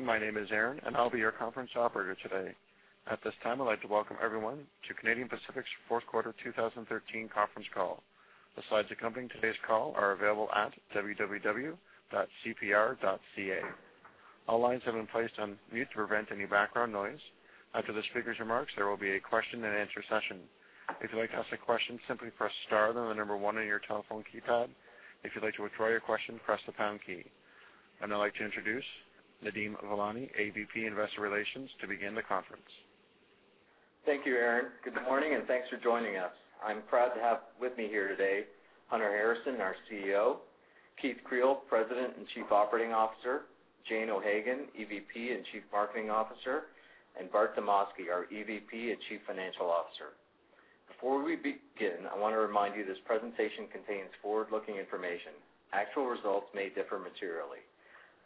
Morning. My name is Erin, and I'll be your conference operator today. At this time, I'd like to welcome everyone to Canadian Pacific's Fourth Quarter 2013 Conference Call. The slides accompanying today's call are available at www.cpr.ca. All lines have been placed on mute to prevent any background noise. After the speaker's remarks, there will be a question-and-answer session. If you'd like to ask a question, simply press star and then the number one on your telephone keypad. If you'd like to withdraw your question, press the pound key. I'd like to introduce Nadeem Velani, AVP Investor Relations, to begin the conference. Thank you, Erin. Good morning, and thanks for joining us. I'm proud to have with me here today Hunter Harrison, our CEO; Keith Creel, President and Chief Operating Officer; Jane O'Hagan, EVP and Chief Marketing Officer; and Bart Demosky, our EVP and Chief Financial Officer. Before we begin, I want to remind you this presentation contains forward-looking information. Actual results may differ materially.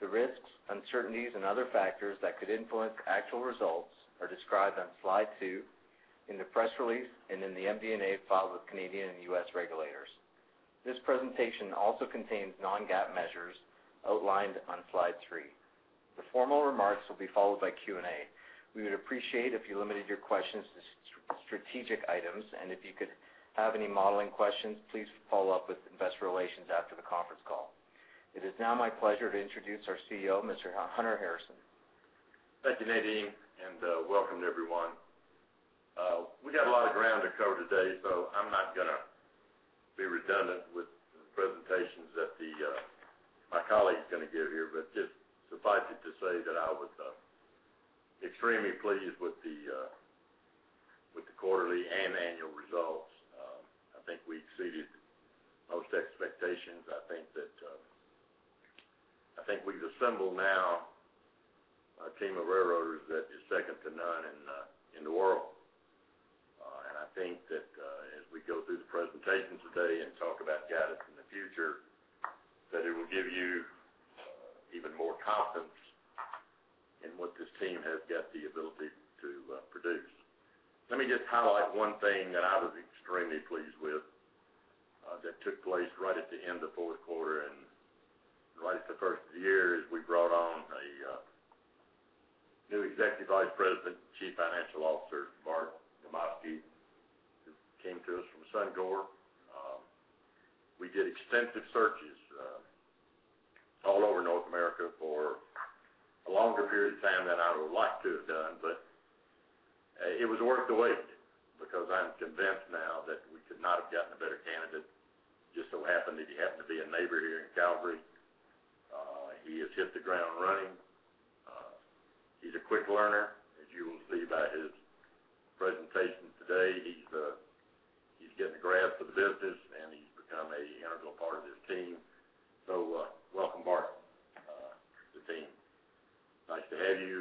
The risks, uncertainties, and other factors that could influence actual results are described on Slide two in the press release and in the MD&A filed with Canadian and U.S. regulators. This presentation also contains non-GAAP measures outlined on Slide three. The formal remarks will be followed by Q&A. We would appreciate if you limited your questions to strategic items, and if you could have any modeling questions, please follow up with Investor Relations after the conference call. It is now my pleasure to introduce our CEO, Mr. Hunter Harrison. Thank you, Nadeem, and welcome to everyone. We got a lot of ground to cover today, so I'm not gonna be redundant with the presentations that my colleague's gonna give here, but just suffice it to say that I was extremely pleased with the quarterly and annual results. I think we exceeded most expectations. I think that, I think we've assembled now a team of railroaders that is second to none in the world. And I think that, as we go through the presentation today and talk about guidance in the future, that it will give you even more confidence in what this team has got the ability to produce. Let me just highlight one thing that I was extremely pleased with, that took place right at the end of fourth quarter and right at the first of the year is we brought on a new Executive Vice President and Chief Financial Officer, Bart Demosky, who came to us from Suncor. We did extensive searches all over North America for a longer period of time than I would have liked to have done, but it was worth the wait because I'm convinced now that we could not have gotten a better candidate. Just so happened that he happened to be a neighbor here in Calgary. He has hit the ground running. He's a quick learner, as you will see by his presentation today. He's getting a grasp of the business, and he's become an integral part of this team. So, welcome, Bart, to the team. Nice to have you.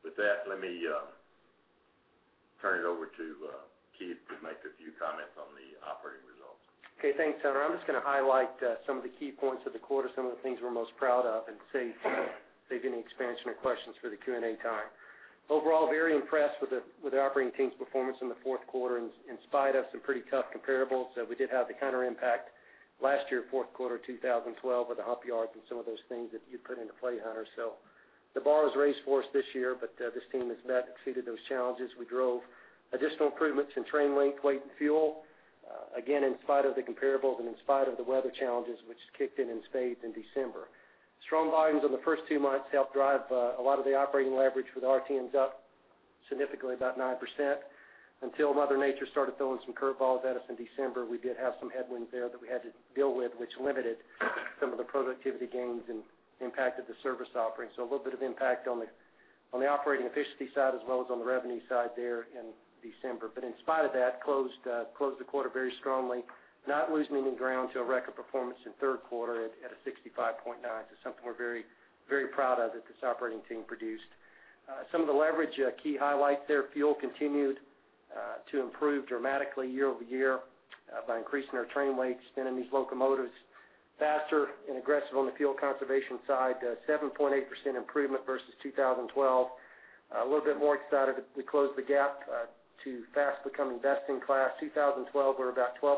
With that, let me turn it over to Keith to make a few comments on the operating results. Okay. Thanks, Hunter. I'm just gonna highlight some of the key points of the quarter, some of the things we're most proud of, and save any expansion or questions for the Q&A time. Overall, very impressed with the operating team's performance in the fourth quarter in spite of some pretty tough comparables. We did have the counterimpact last year, fourth quarter 2012, with the hump yards and some of those things that you'd put into play, Hunter. So the bar was raised for us this year, but this team has met exceeded those challenges. We drove additional improvements in train length, weight, and fuel, again, in spite of the comparables and in spite of the weather challenges, which kicked in and stayed in December. Strong volumes in the first two months helped drive a lot of the operating leverage, with RTMs up significantly, about 9%. Until Mother Nature started throwing some curveballs at us in December, we did have some headwinds there that we had to deal with, which limited some of the productivity gains and impacted the service offering. So a little bit of impact on the operating efficiency side as well as on the revenue side there in December. But in spite of that, closed the quarter very strongly, not losing any ground to a record performance in third quarter at a 65.9. So something we're very, very proud of that this operating team produced. Some of the leverage, key highlights there, fuel continued to improve dramatically year over year, by increasing our train weight, spinning these locomotives faster, and aggressive on the fuel conservation side, 7.8% improvement versus 2012. A little bit more excited that we closed the gap to fast becoming best in class. 2012, we're about 12%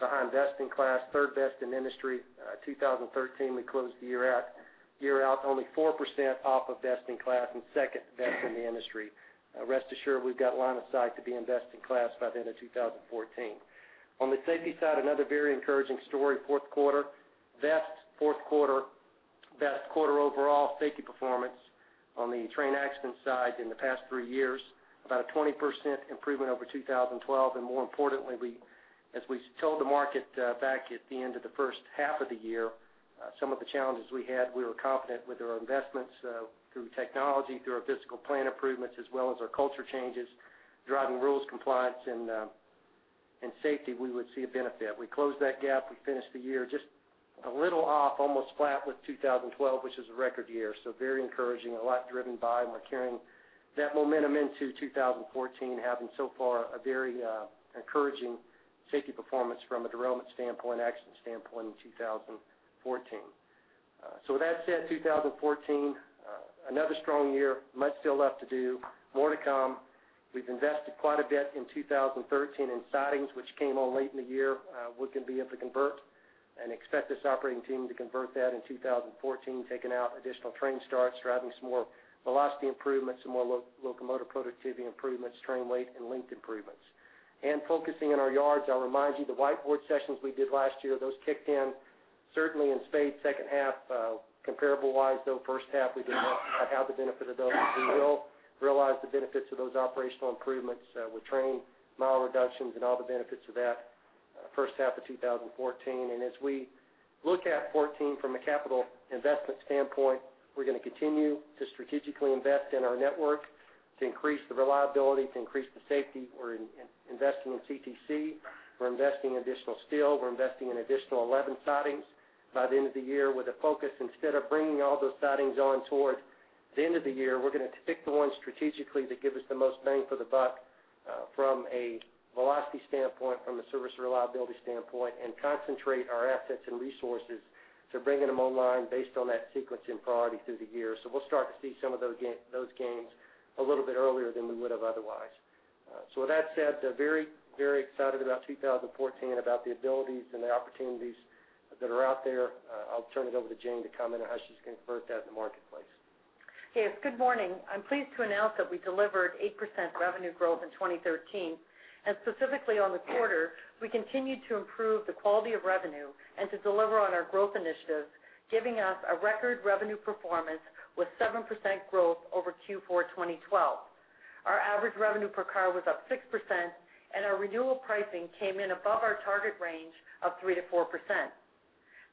behind best in class, third best in industry. 2013, we closed the year out only 4% off of best in class and second best in the industry. Rest assured, we've got line of sight to be in best in class by the end of 2014. On the safety side, another very encouraging story, fourth quarter. Best fourth quarter, best quarter overall safety performance on the train accident side in the past three years, about a 20% improvement over 2012. And more importantly, we as we told the market, back at the end of the first half of the year, some of the challenges we had, we were confident with our investments, through technology, through our physical plan improvements, as well as our culture changes, driving rules compliance, and, and safety, we would see a benefit. We closed that gap. We finished the year just a little off, almost flat, with 2012, which was a record year. So very encouraging, a lot driven by, and we're carrying that momentum into 2014, having so far a very encouraging safety performance from a derailment standpoint, accident standpoint in 2014. So with that said, 2014, another strong year, much still left to do, more to come. We've invested quite a bit in 2013 in sidings, which came on late in the year, wouldn't be able to convert. Expect this operating team to convert that in 2014, taking out additional train starts, driving some more velocity improvements, some more locomotive productivity improvements, train weight, and length improvements. Focusing on our yards, I'll remind you, the whiteboard sessions we did last year, those kicked in, certainly in spades, second half, comparable-wise, though first half, we didn't talk about how the benefit of those. We will realize the benefits of those operational improvements, with train mile reductions and all the benefits of that, first half of 2014. As we look at 2014 from a capital investment standpoint, we're gonna continue to strategically invest in our network to increase the reliability, to increase the safety. We're investing in CTC. We're investing in additional steel. We're investing in additional 11 sidings by the end of the year, with a focus instead of bringing all those sidings on toward the end of the year, we're gonna pick the ones strategically that give us the most bang for the buck, from a velocity standpoint, from a service reliability standpoint, and concentrate our assets and resources to bringing them online based on that sequence in priority through the year. So we'll start to see some of those those gains a little bit earlier than we would have otherwise. So with that said, very, very excited about 2014, about the abilities and the opportunities that are out there. I'll turn it over to Jane to comment on how she's gonna convert that in the marketplace. Yes. Good morning. I'm pleased to announce that we delivered 8% revenue growth in 2013. Specifically on the quarter, we continued to improve the quality of revenue and to deliver on our growth initiatives, giving us a record revenue performance with 7% growth over Q4 2012. Our average revenue per car was up 6%, and our renewal pricing came in above our target range of 3%-4%.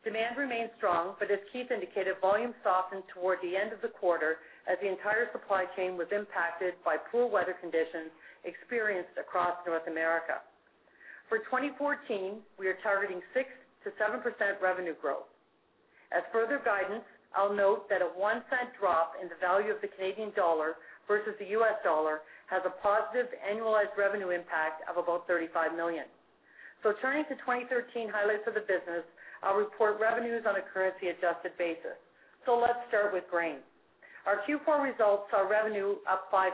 Demand remains strong, but as Keith indicated, volume softened toward the end of the quarter as the entire supply chain was impacted by poor weather conditions experienced across North America. For 2014, we are targeting 6%-7% revenue growth. As further guidance, I'll note that a 0.01 drop in the value of the Canadian dollar versus the U.S. dollar has a positive annualized revenue impact of about 35 million. Turning to 2013 highlights of the business, I'll report revenues on a currency-adjusted basis. Let's start with grain. Our Q4 results saw revenue up 5%.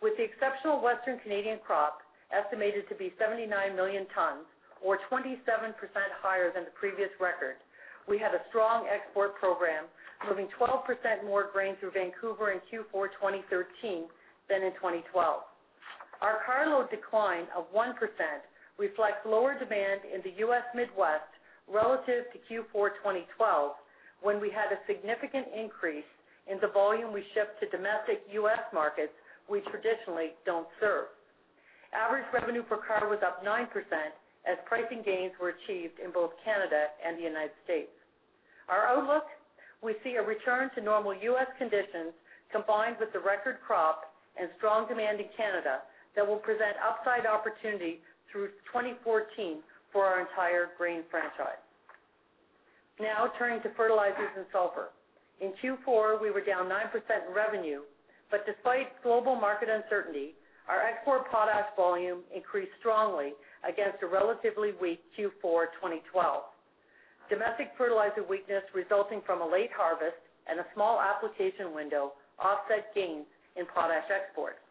With the exceptional Western Canadian crop, estimated to be 79 million tons, or 27% higher than the previous record, we had a strong export program moving 12% more grain through Vancouver in Q4 2013 than in 2012. Our carload decline of 1% reflects lower demand in the U.S. Midwest relative to Q4 2012, when we had a significant increase in the volume we shipped to domestic U.S. markets we traditionally don't serve. Average revenue per car was up 9% as pricing gains were achieved in both Canada and the United States. Our outlook? We see a return to normal U.S. conditions combined with the record crop and strong demand in Canada that will present upside opportunity through 2014 for our entire grain franchise. Now turning to fertilizers and sulfur. In Q4, we were down 9% in revenue, but despite global market uncertainty, our export potash volume increased strongly against a relatively weak Q4 2012. Domestic fertilizer weakness resulting from a late harvest and a small application window offset gains in potash exports.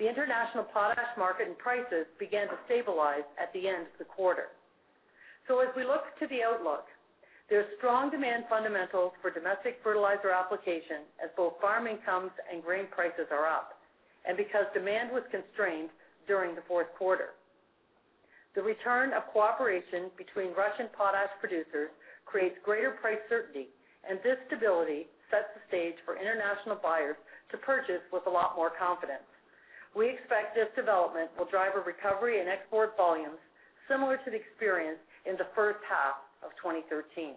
The international potash market and prices began to stabilize at the end of the quarter. So as we look to the outlook, there's strong demand fundamentals for domestic fertilizer application as both farm incomes and grain prices are up and because demand was constrained during the fourth quarter. The return of cooperation between Russian potash producers creates greater price certainty, and this stability sets the stage for international buyers to purchase with a lot more confidence. We expect this development will drive a recovery in export volumes similar to the experience in the first half of 2013.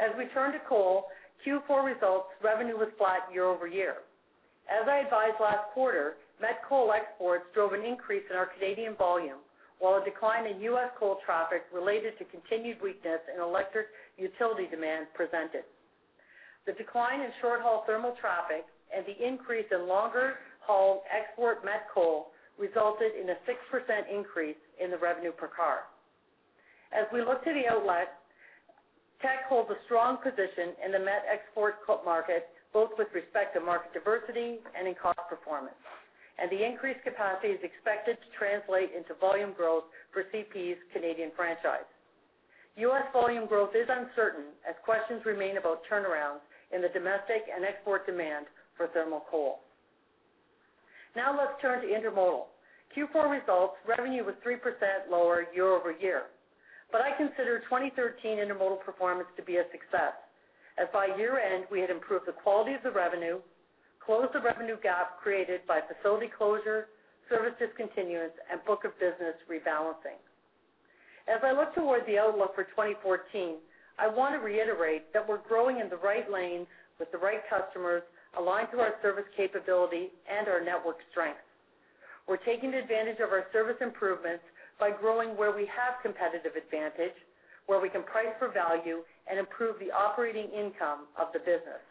As we turn to coal, Q4 results: revenue was flat year-over-year. As I advised last quarter, met coal exports drove an increase in our Canadian volume while a decline in U.S. coal traffic related to continued weakness in electric utility demand persisted. The decline in short-haul thermal traffic and the increase in longer-haul export met coal resulted in a 6% increase in the revenue per car. As we look to the outlook, Teck holds a strong position in the met export coal market, both with respect to market diversity and in cost performance. The increased capacity is expected to translate into volume growth for CP's Canadian franchise. U.S. volume growth is uncertain as questions remain about turnarounds in the domestic and export demand for thermal coal. Now let's turn to intermodal. Q4 results: revenue was 3% lower year-over-year. I consider 2013 intermodal performance to be a success as by year-end, we had improved the quality of the revenue, closed the revenue gap created by facility closure, service discontinuance, and book of business rebalancing. As I look toward the outlook for 2014, I wanna reiterate that we're growing in the right lanes with the right customers aligned to our service capability and our network strength. We're taking advantage of our service improvements by growing where we have competitive advantage, where we can price for value, and improve the operating income of the business.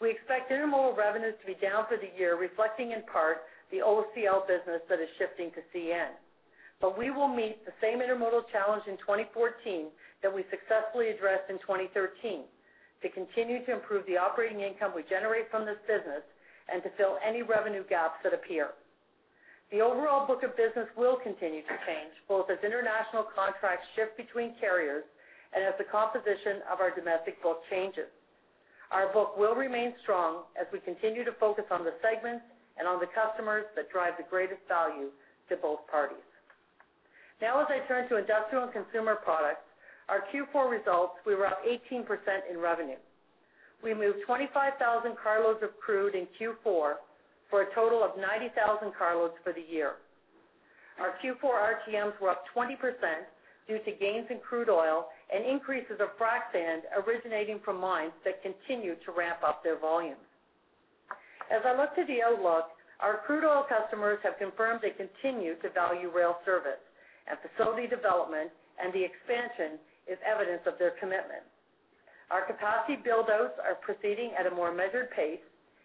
We expect intermodal revenues to be down for the year, reflecting in part the OOCL business that is shifting to CN. We will meet the same intermodal challenge in 2014 that we successfully addressed in 2013 to continue to improve the operating income we generate from this business and to fill any revenue gaps that appear. The overall book of business will continue to change, both as international contracts shift between carriers and as the composition of our domestic book changes. Our book will remain strong as we continue to focus on the segments and on the customers that drive the greatest value to both parties. Now, as I turn to industrial and consumer products, our Q4 results, we were up 18% in revenue. We moved 25,000 carloads of crude in Q4 for a total of 90,000 carloads for the year. Our Q4 RTMs were up 20% due to gains in crude oil and increases of frac sand originating from mines that continue to ramp up their volumes. As I look to the outlook, our crude oil customers have confirmed they continue to value rail service, and facility development and the expansion is evidence of their commitment. Our capacity buildouts are proceeding at a more measured pace,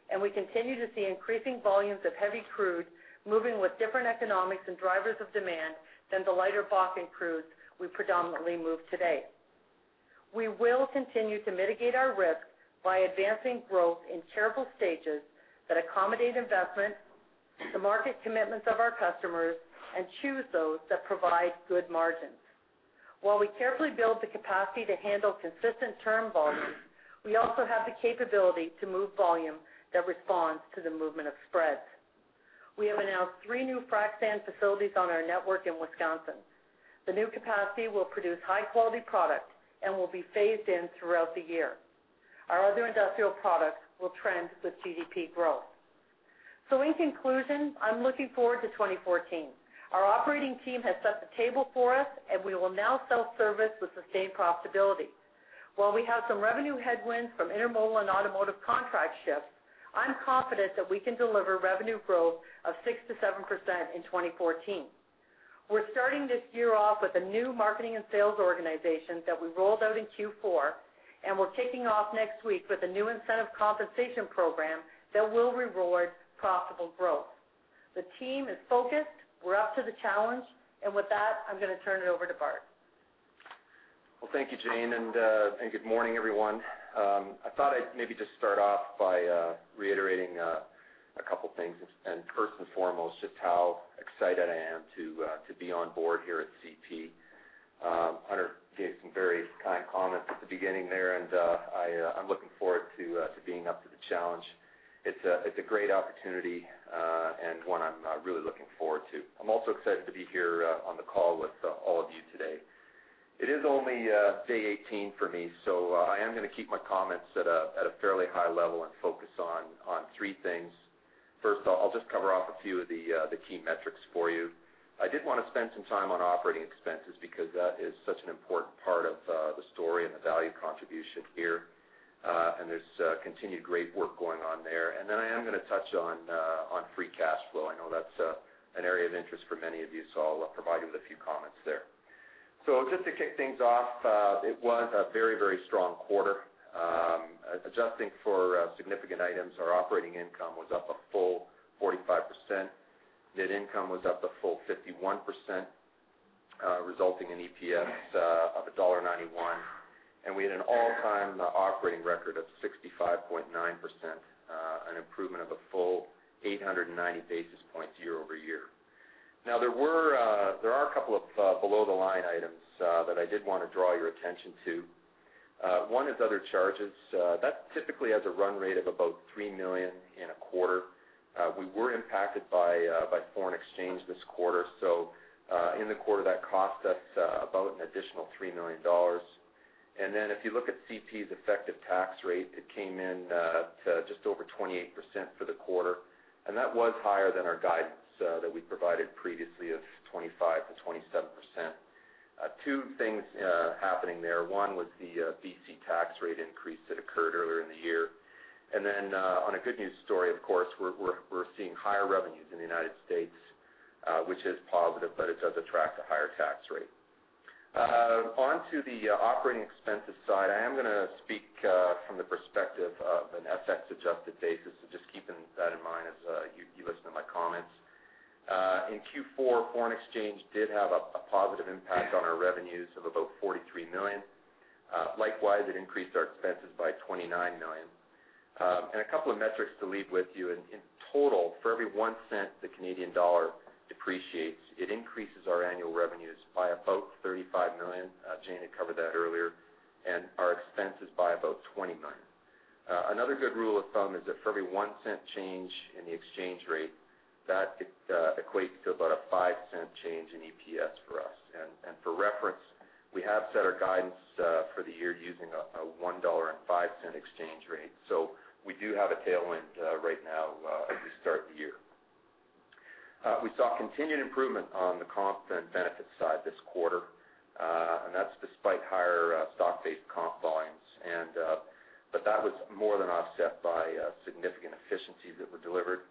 and we continue to see increasing volumes of heavy crude moving with different economics and drivers of demand than the lighter Bakken crudes we predominantly move today. We will continue to mitigate our risk by advancing growth in careful stages that accommodate investment, the market commitments of our customers, and choose those that provide good margins. While we carefully build the capacity to handle consistent term volumes, we also have the capability to move volume that responds to the movement of spreads. We have announced three new frac sand facilities on our network in Wisconsin. The new capacity will produce high-quality product and will be phased in throughout the year. Our other industrial products will trend with GDP growth. In conclusion, I'm looking forward to 2014. Our operating team has set the table for us, and we will now self-service with sustained profitability. While we have some revenue headwinds from intermodal and automotive contract shifts, I'm confident that we can deliver revenue growth of 6%-7% in 2014. We're starting this year off with a new marketing and sales organization that we rolled out in Q4, and we're kicking off next week with a new incentive compensation program that will reward profitable growth. The team is focused. We're up to the challenge. With that, I'm gonna turn it over to Bart. Well, thank you, Jane. And good morning, everyone. I thought I'd maybe just start off by reiterating a couple things. And first and foremost, just how excited I am to be on board here at CP. Hunter gave some very kind comments at the beginning there, and I'm looking forward to being up to the challenge. It's a great opportunity, and one I'm really looking forward to. I'm also excited to be here on the call with all of you today. It is only day 18 for me, so I am gonna keep my comments at a fairly high level and focus on three things. First, I'll just cover off a few of the key metrics for you. I did want to spend some time on operating expenses because that is such an important part of the story and the value contribution here. And there's continued great work going on there. And then I am going to touch on free cash flow. I know that's an area of interest for many of you, so I'll provide you with a few comments there. So just to kick things off, it was a very, very strong quarter. Adjusting for significant items, our operating income was up a full 45%. Net income was up a full 51%, resulting in EPS of $1.91. And we had an all-time operating record of 65.9%, an improvement of a full 890 basis points year-over-year. Now there are a couple of below-the-line items that I did want to draw your attention to. One is other charges. that typically has a run rate of about 3 million in a quarter. We were impacted by, by foreign exchange this quarter, so in the quarter, that cost us about an additional CAD $3 million. And then if you look at CP's effective tax rate, it came in to just over 28% for the quarter. And that was higher than our guidance that we provided previously of 25%-27%. Two things happening there. One was the BC tax rate increase that occurred earlier in the year. And then, on a good news story, of course, we're, we're, we're seeing higher revenues in the United States, which is positive, but it does attract a higher tax rate. Onto the operating expenses side, I am gonna speak from the perspective of an FX-adjusted basis. So just keeping that in mind as you, you listen to my comments. In Q4, foreign exchange did have a positive impact on our revenues of about $43 million. Likewise, it increased our expenses by $29 million. A couple of metrics to leave with you. In total, for every 1 cent the Canadian dollar depreciates, it increases our annual revenues by about $35 million. Jane had covered that earlier. And our expenses by about $20 million. Another good rule of thumb is that for every 1 cent change in the exchange rate, it equates to about a $0.05 change in EPS for us. And for reference, we have set our guidance for the year using a $1.05 exchange rate. So we do have a tailwind, right now, as we start the year. We saw continued improvement on the comp and benefits side this quarter. And that's despite higher stock-based comp volumes. But that was more than offset by significant efficiencies that were delivered.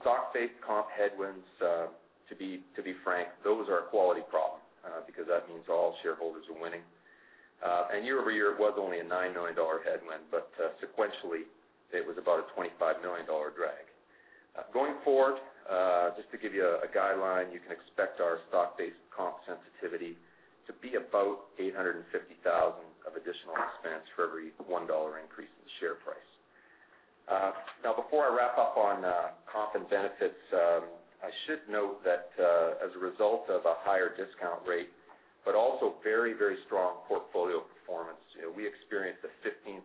Stock-based comp headwinds, to be frank, those are a quality problem, because that means all shareholders are winning. And year-over-year, it was only a $9 million headwind, but sequentially, it was about a $25 million drag. Going forward, just to give you a guideline, you can expect our stock-based comp sensitivity to be about 850,000 of additional expense for every $1 increase in the share price. Now before I wrap up on comp and benefits, I should note that, as a result of a higher discount rate but also very, very strong portfolio performance, you know, we experienced a 15%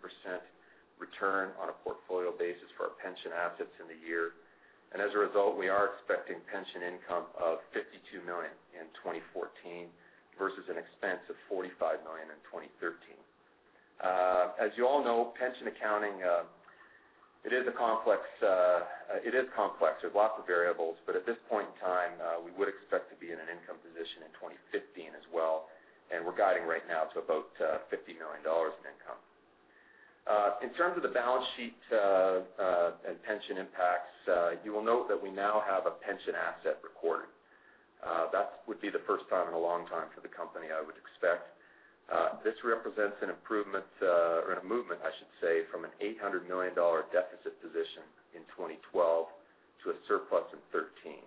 return on a portfolio basis for our pension assets in the year. As a result, we are expecting pension income of 52 million in 2014 versus an expense of 45 million in 2013. As you all know, pension accounting, it is a complex, it is complex. There's lots of variables. But at this point in time, we would expect to be in an income position in 2015 as well. And we're guiding right now to about 50 million dollars in income. In terms of the balance sheet, and pension impacts, you will note that we now have a pension asset recorded. That would be the first time in a long time for the company, I would expect. This represents an improvement, or a movement, I should say, from a 800 million dollar deficit position in 2012 to a surplus in 2013.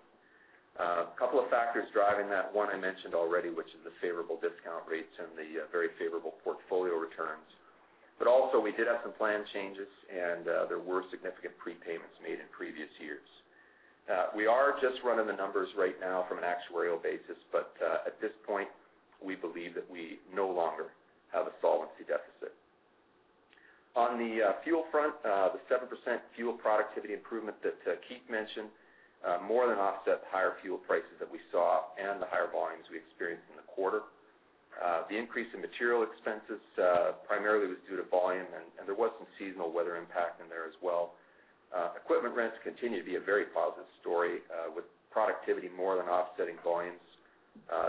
A couple of factors driving that. One, I mentioned already, which is the favorable discount rates and the very favorable portfolio returns. But also, we did have some plan changes, and there were significant prepayments made in previous years. We are just running the numbers right now from an actuarial basis, but at this point, we believe that we no longer have a solvency deficit. On the fuel front, the 7% fuel productivity improvement that Keith mentioned more than offset the higher fuel prices that we saw and the higher volumes we experienced in the quarter. The increase in material expenses primarily was due to volume, and there was some seasonal weather impact in there as well. Equipment rents continue to be a very positive story, with productivity more than offsetting volumes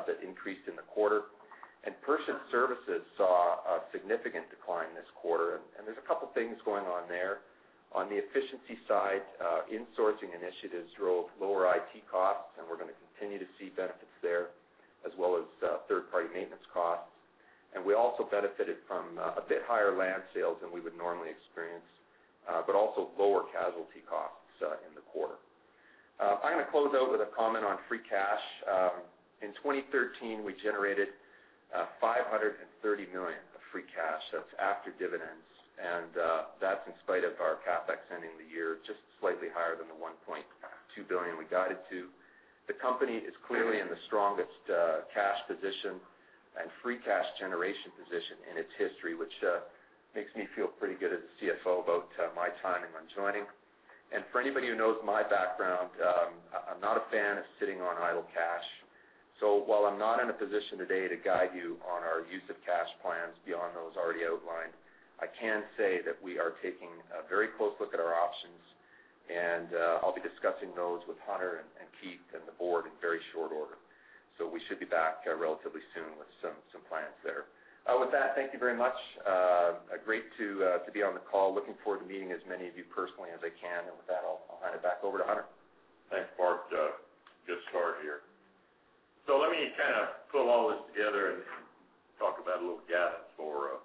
that increased in the quarter. Purchased services saw a significant decline this quarter. And there's a couple things going on there. On the efficiency side, insourcing initiatives drove lower IT costs, and we're gonna continue to see benefits there as well as third-party maintenance costs. We also benefited from a bit higher land sales than we would normally experience, but also lower casualty costs in the quarter. I'm gonna close out with a comment on free cash. In 2013, we generated 530 million of free cash. That's after dividends. That's in spite of our CapEx ending the year just slightly higher than the 1.2 billion we guided to. The company is clearly in the strongest cash position and free cash generation position in its history, which makes me feel pretty good as a CFO about my timing on joining. For anybody who knows my background, I'm not a fan of sitting on idle cash. So while I'm not in a position today to guide you on our use of cash plans beyond those already outlined, I can say that we are taking a very close look at our options. And, I'll be discussing those with Hunter and Keith and the board in very short order. So we should be back, relatively soon with some plans there. With that, thank you very much. Great to be on the call. Looking forward to meeting as many of you personally as I can. And with that, I'll hand it back over to Hunter. Thanks, Bart. Good start here. So let me kinda pull all this together and, and talk about a little data for,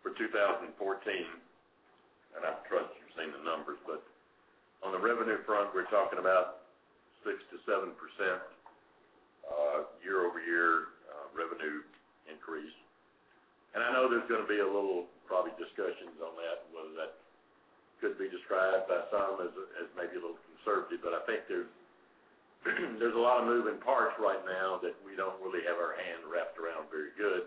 for 2014. I'm trusting you've seen the numbers. On the revenue front, we're talking about 6%-7%, year-over-year, revenue increase. I know there's gonna be a little probably discussions on that, whether that could be described by some as, as maybe a little conservative. I think there's, there's a lot of moving parts right now that we don't really have our hand wrapped around very good.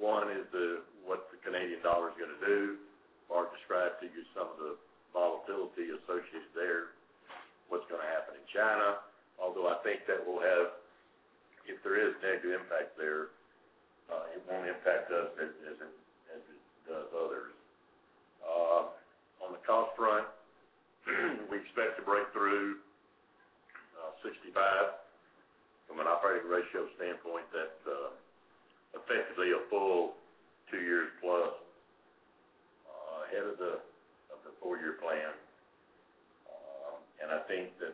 One is the what the Canadian dollar's gonna do. Bart described to you some of the volatility associated there, what's gonna happen in China. Although I think that will have if there is negative impact there, it won't impact us as, as in as it does others. On the cost front, we expect a breakthrough, 65 from an operating ratio standpoint that, effectively a full two years plus, ahead of the four-year plan. I think that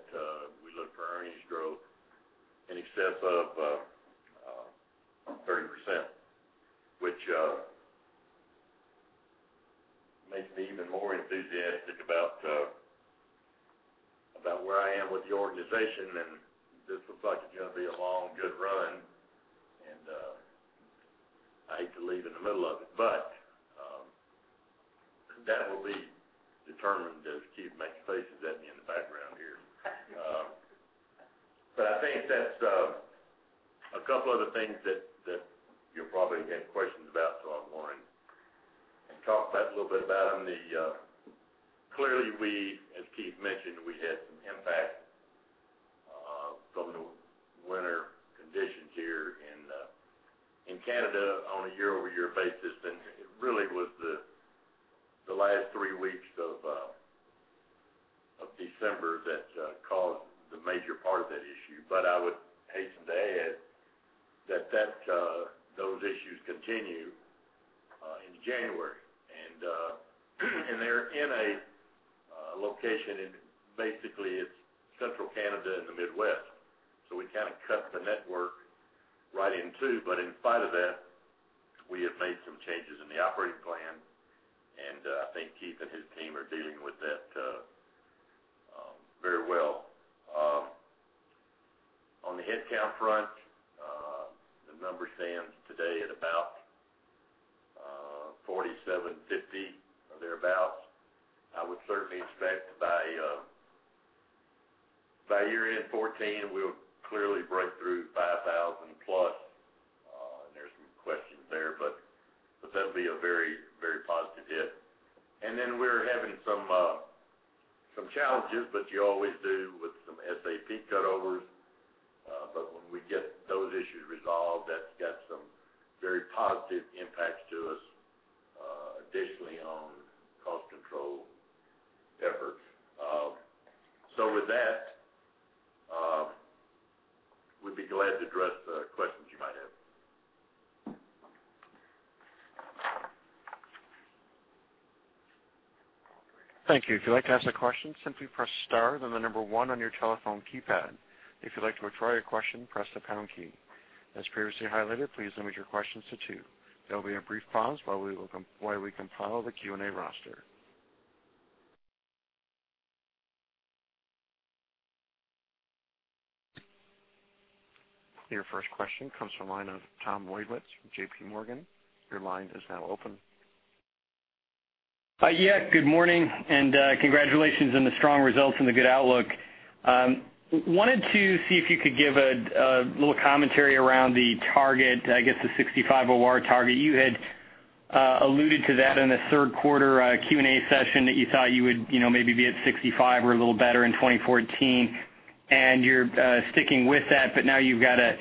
we look for earnings growth in excess of 30%, which makes me even more enthusiastic about where I am with the organization. This looks like it's gonna be a long, good run. I hate to leave in the middle of it. But that will be determined as Keith makes faces at me in the background here. I think that's a couple other things that you'll probably have questions about, so I'm gonna talk about a little bit about them. Clearly, we, as Keith mentioned, had some impact from the winter conditions here in Canada on a year-over-year basis. It really was the last three weeks of December that caused the major part of that issue. But I would hasten to add that those issues continue in January. And they're in a location in basically—it's central Canada and the Midwest. So we kinda cut the network right in two. But in spite of that, we have made some changes in the operating plan. And I think Keith and his team are dealing with that very well. On the headcount front, the number stands today at about 4,750 or thereabouts. I would certainly expect by year-end 2014, we'll clearly break through 5,000+. And there's some questions there, but that'll be a very, very positive hit. And then we're having some challenges, but you always do with some SAP cutovers. But when we get those issues resolved, that's got some very positive impacts to us, additionally on cost control efforts. With that, we'd be glad to address the questions you might have. Thank you. If you'd like to ask a question, simply press star, then the number one on your telephone keypad. If you'd like to retry your question, press the pound key. As previously highlighted, please limit your questions to two. There'll be a brief pause while we will compile the Q&A roster. Your first question comes from the line of Tom Wadewitz from JPMorgan. Your line is now open. Yeah. Good morning. And, congratulations on the strong results and the good outlook. Wanted to see if you could give a little commentary around the target, I guess, the 65% OR target. You had alluded to that in the third-quarter Q&A session that you thought you would, you know, maybe be at 65% or a little better in 2014. And you're sticking with that, but now you've got a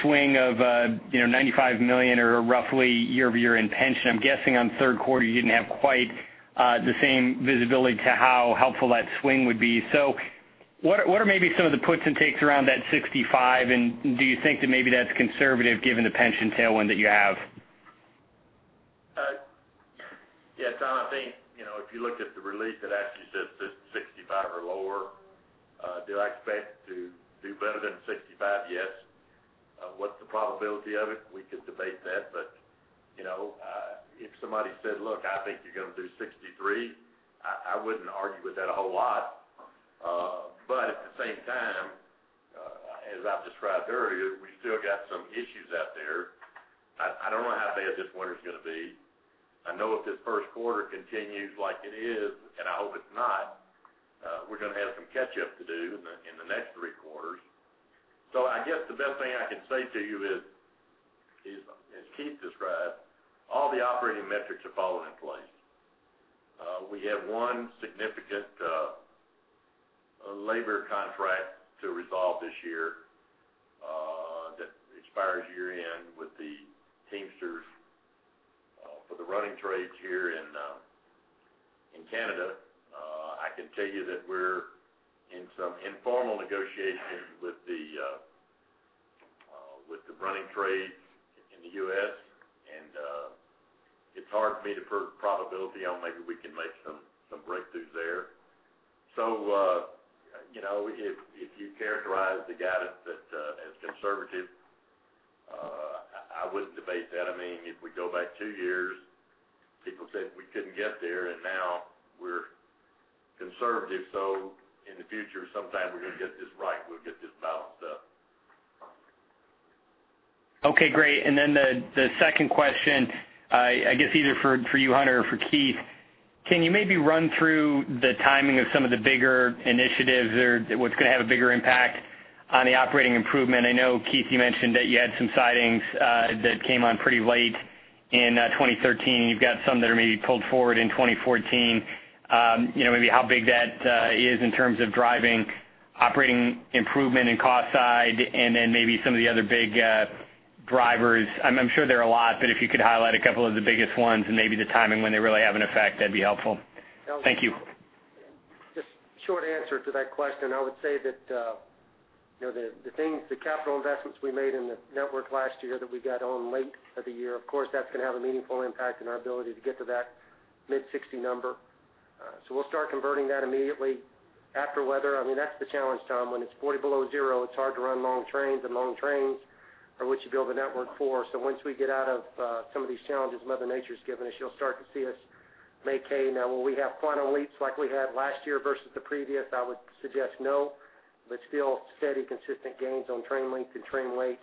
swing of, you know, 95 million or roughly year-over-year in pension. I'm guessing on third quarter, you didn't have quite the same visibility to how helpful that swing would be. So what are maybe some of the puts and takes around that 65%? And do you think that maybe that's conservative given the pension tailwind that you have? Yeah, Tom. I think, you know, if you looked at the release, it actually says that 65 or lower. Do I expect to do better than 65? Yes. What's the probability of it? We could debate that. But, you know, if somebody said, "Look, I think you're gonna do 63," I wouldn't argue with that a whole lot. But at the same time, as I've described earlier, we've still got some issues out there. I don't know how bad this winter's gonna be. I know if this first quarter continues like it is, and I hope it's not, we're gonna have some catch-up to do in the next three quarters. So I guess the best thing I can say to you is, as Keith described, all the operating metrics have fallen in place. We have one significant labor contract to resolve this year that expires year-end with the Teamsters for the running trades here in Canada. I can tell you that we're in some informal negotiations with the running trades in the U.S. And it's hard for me to put a probability on maybe we can make some breakthroughs there. So you know, if you characterize the guidance as conservative, I wouldn't debate that. I mean, if we go back two years, people said we couldn't get there. And now we're conservative. So in the future, sometime we're gonna get this right. We'll get this balanced up. Okay. Great. Then the second question, I guess either for you, Hunter, or for Keith, can you maybe run through the timing of some of the bigger initiatives or what's gonna have a bigger impact on the operating improvement? I know, Keith, you mentioned that you had some sidings that came on pretty late in 2013. You've got some that are maybe pulled forward in 2014. You know, maybe how big that is in terms of driving operating improvement and cost side and then maybe some of the other big drivers. I'm sure there are a lot, but if you could highlight a couple of the biggest ones and maybe the timing when they really have an effect, that'd be helpful. Thank you. Just short answer to that question. I would say that, you know, the things, the capital investments we made in the network last year that we got on late in the year, of course, that's gonna have a meaningful impact in our ability to get to that mid-60 number. So we'll start converting that immediately after weather. I mean, that's the challenge, Tom. When it's 40 below zero, it's hard to run long trains. And long trains are what you build a network for. So once we get out of some of these challenges, Mother Nature's given us, you'll start to see us make hay. Now, will we have quantum leaps like we had last year versus the previous? I would suggest no, but still steady, consistent gains on train length and train weight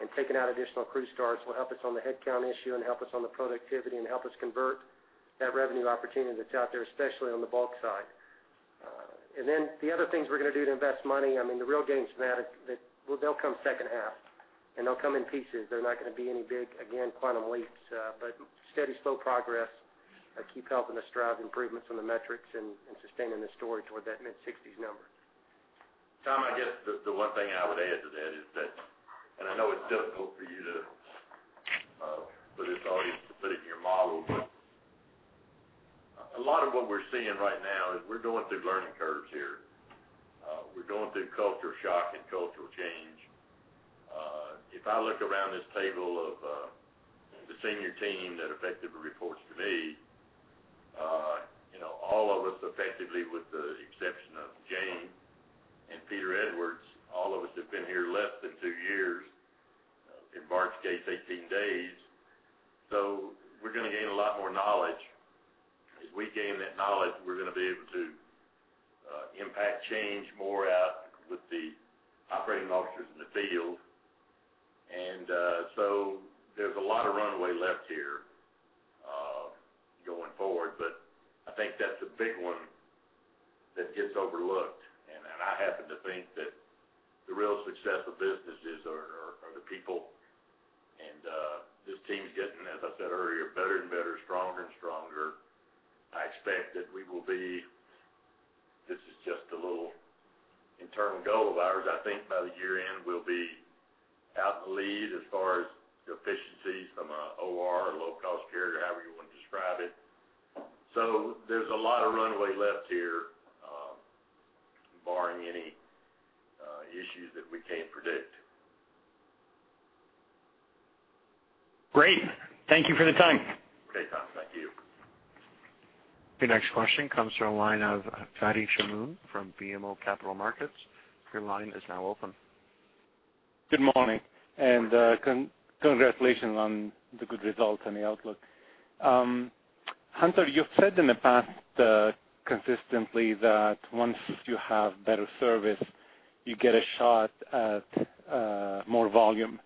and taking out additional crew starts will help us on the headcount issue and help us on the productivity and help us convert that revenue opportunity that's out there, especially on the bulk side. Then the other things we're gonna do to invest money. I mean, the real gains from that are that. Well, they'll come second half. And they'll come in pieces. They're not gonna be any big, again, quantum leaps, but steady, slow progress by keeping helping us drive improvements on the metrics and, and sustaining the story toward that mid-60s number. Tom, I guess the one thing I would add to that is that, and I know it's difficult for you to, for this audience to put it in your model, but a lot of what we're seeing right now is we're going through learning curves here. We're going through cultural shock and cultural change. If I look around this table of the senior team that effectively reports to me, you know, all of us effectively, with the exception of Jane and Peter Edwards, all of us have been here less than two years. In Bart's case, 18 days. So we're gonna gain a lot more knowledge. As we gain that knowledge, we're gonna be able to impact change more out with the operating officers in the field. And so there's a lot of runway left here, going forward. But I think that's a big one that gets overlooked. I happen to think that the real success of businesses are the people. This team's getting, as I said earlier, better and better, stronger and stronger. I expect that we will be. This is just a little internal goal of ours. I think by the year-end, we'll be out in the lead as far as efficiencies from a OR or low-cost carrier or however you wanna describe it. So there's a lot of runway left here, barring any issues that we can't predict. Great. Thank you for the time. Okay, Tom. Thank you. Your next question comes from line of Fadi Chamoun from BMO Capital Markets. Your line is now open. Good morning. Congratulations on the good results and the outlook. Hunter, you've said in the past, consistently that once you have better service, you get a shot at more volume.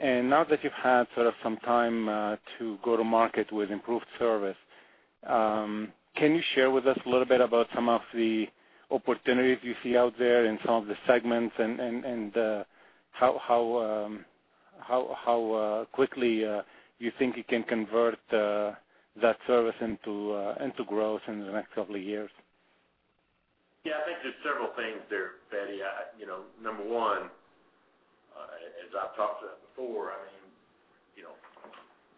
And now that you've had sort of some time to go to market with improved service, can you share with us a little bit about some of the opportunities you see out there in some of the segments and how quickly you think you can convert that service into growth in the next couple of years? Yeah. I think there's several things there, Fadi. I, you know, number one, as I've talked about before, I mean, you know,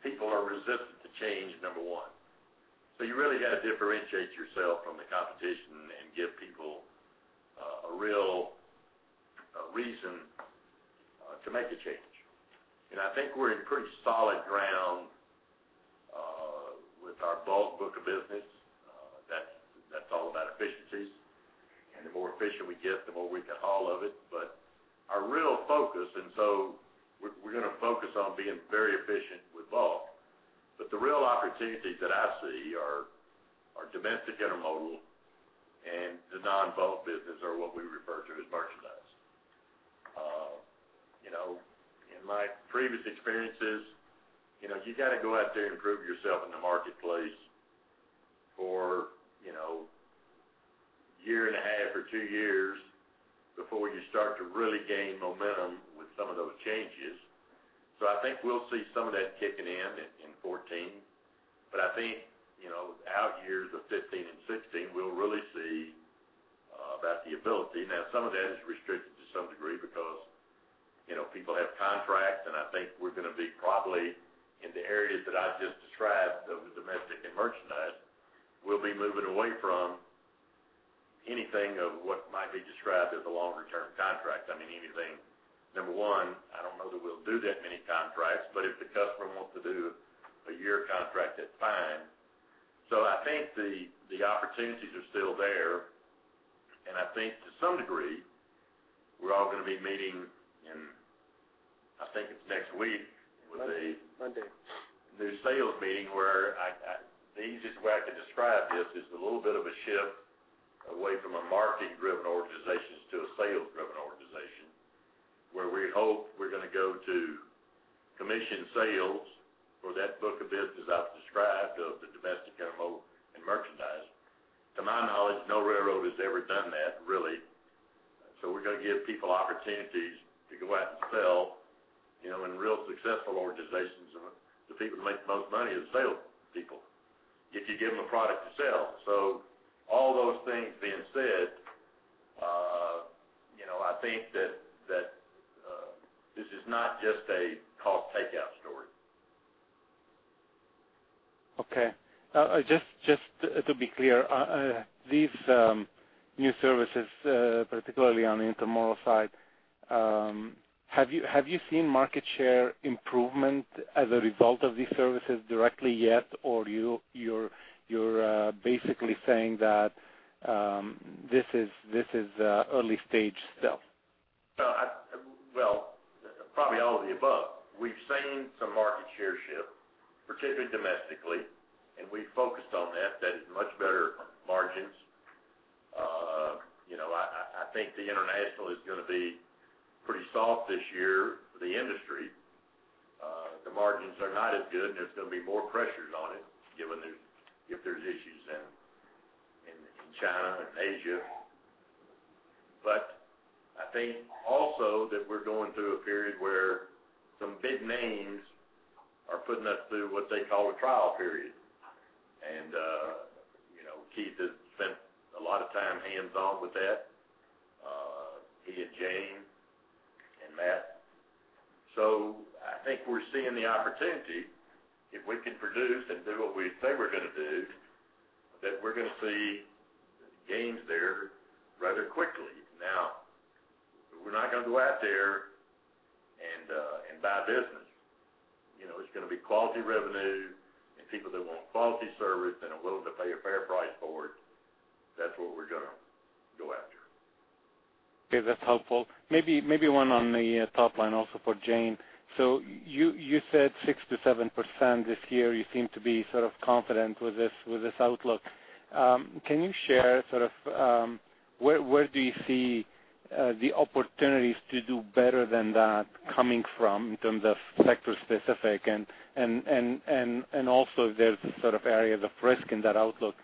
people are resistant to change, number one. So you really gotta differentiate yourself from the competition and give people a real reason to make a change. And I think we're in pretty solid ground with our bulk book of business. That's all about efficiencies. And the more efficient we get, the more we can haul of it. But our real focus and so we're gonna focus on being very efficient with bulk. But the real opportunities that I see are domestic intermodal. And the non-bulk business are what we refer to as merchandise. You know, in my previous experiences, you know, you gotta go out there and prove yourself in the marketplace for, you know, a year and a half or two years before you start to really gain momentum with some of those changes. So I think we'll see some of that kicking in in, in 2014. But I think, you know, out years of 2015 and 2016, we'll really see, about the ability. Now, some of that is restricted to some degree because, you know, people have contracts. And I think we're gonna be probably in the areas that I just described of the domestic and merchandise, we'll be moving away from anything of what might be described as a longer-term contract. I mean, anything number one, I don't know that we'll do that many contracts. But if the customer wants to do a year contract, that's fine. I think the opportunities are still there. I think to some degree, we're all gonna be meeting in I think it's next week with a. Monday. New sales meeting where I the easiest way I could describe this is a little bit of a shift away from a marketing-driven organization to a sales-driven organization where we hope we're gonna go to commission sales for that book of business I've described of the domestic intermodal and merchandise. To my knowledge, no railroad has ever done that, really. So we're gonna give people opportunities to go out and sell, you know, in real successful organizations. And the people that make the most money are the salespeople if you give them a product to sell. So all those things being said, you know, I think that this is not just a cost takeout story. Okay. Just to be clear, these new services, particularly on the intermodal side, have you seen market share improvement as a result of these services directly yet? Or you're basically saying that this is early stage still? Well, probably all of the above. We've seen some market share shift, particularly domestically. And we've focused on that. That is much better margins. You know, I think the international is gonna be pretty soft this year for the industry. The margins are not as good. And there's gonna be more pressures on it given there's issues in China and Asia. But I think also that we're going through a period where some big names are putting us through what they call a trial period. And, you know, Keith has spent a lot of time hands-on with that, he and Jane and Mark. So I think we're seeing the opportunity if we can produce and do what we say we're gonna do, that we're gonna see gains there rather quickly. Now, we're not gonna go out there and buy business. You know, it's gonna be quality revenue and people that want quality service and are willing to pay a fair price for it. That's what we're gonna go after. Okay. That's helpful. Maybe one on the top line also for Jane. So you said 6%-7% this year. You seem to be sort of confident with this outlook. Can you share sort of where do you see the opportunities to do better than that coming from in terms of sector-specific? And also if there's sort of areas of risk in that outlook,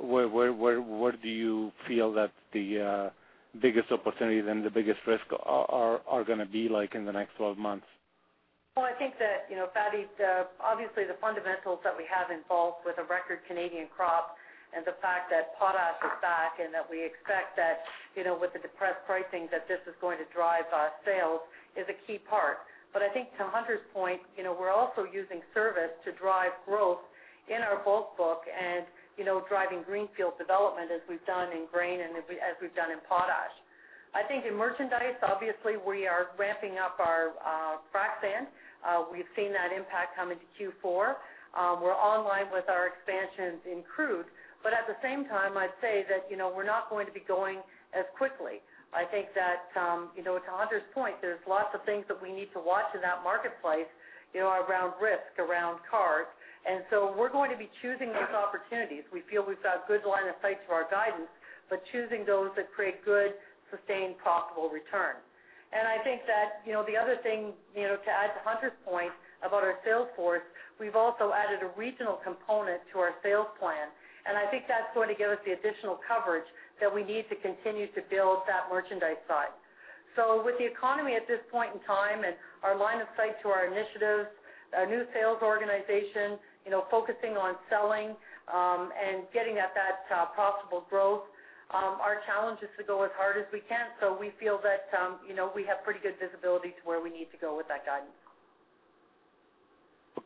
where do you feel that the biggest opportunities and the biggest risk are gonna be like in the next 12 months? Well, I think that, you know, Fadi, the obviously, the fundamentals that we have in bulk with a record Canadian crop and the fact that potash is back and that we expect that, you know, with the depressed pricing, that this is going to drive sales is a key part. But I think to Hunter's point, you know, we're also using service to drive growth in our bulk book and, you know, driving greenfield development as we've done in grain and as we've done in potash. I think in merchandise, obviously, we are ramping up our frac sand. We've seen that impact come into Q4. We're online with our expansions in crude. But at the same time, I'd say that, you know, we're not going to be going as quickly. I think that, you know, to Hunter's point, there's lots of things that we need to watch in that marketplace, you know, around risk, around cars. And so we're going to be choosing those opportunities. We feel we've got a good line of sight to our guidance but choosing those that create good, sustained, profitable return. And I think that, you know, the other thing, you know, to add to Hunter's point about our sales force, we've also added a regional component to our sales plan. And I think that's going to give us the additional coverage that we need to continue to build that merchandise side. So with the economy at this point in time and our line of sight to our initiatives, our new sales organization, you know, focusing on selling, and getting at that, profitable growth, our challenge is to go as hard as we can. So we feel that, you know, we have pretty good visibility to where we need to go with that guidance.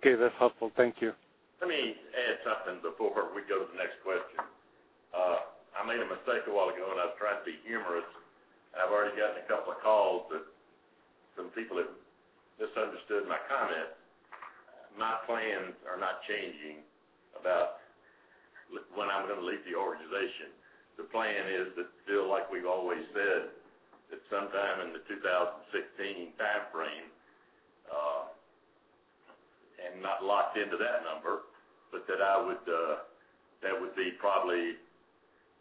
Okay. That's helpful. Thank you. Let me add something before we go to the next question. I made a mistake a while ago. I was trying to be humorous. I've already gotten a couple of calls that some people have misunderstood my comments. My plans are not changing about when I'm gonna leave the organization. The plan is, as we've always said, that sometime in the 2016 time frame, and not locked into that number, but that I would, that would be probably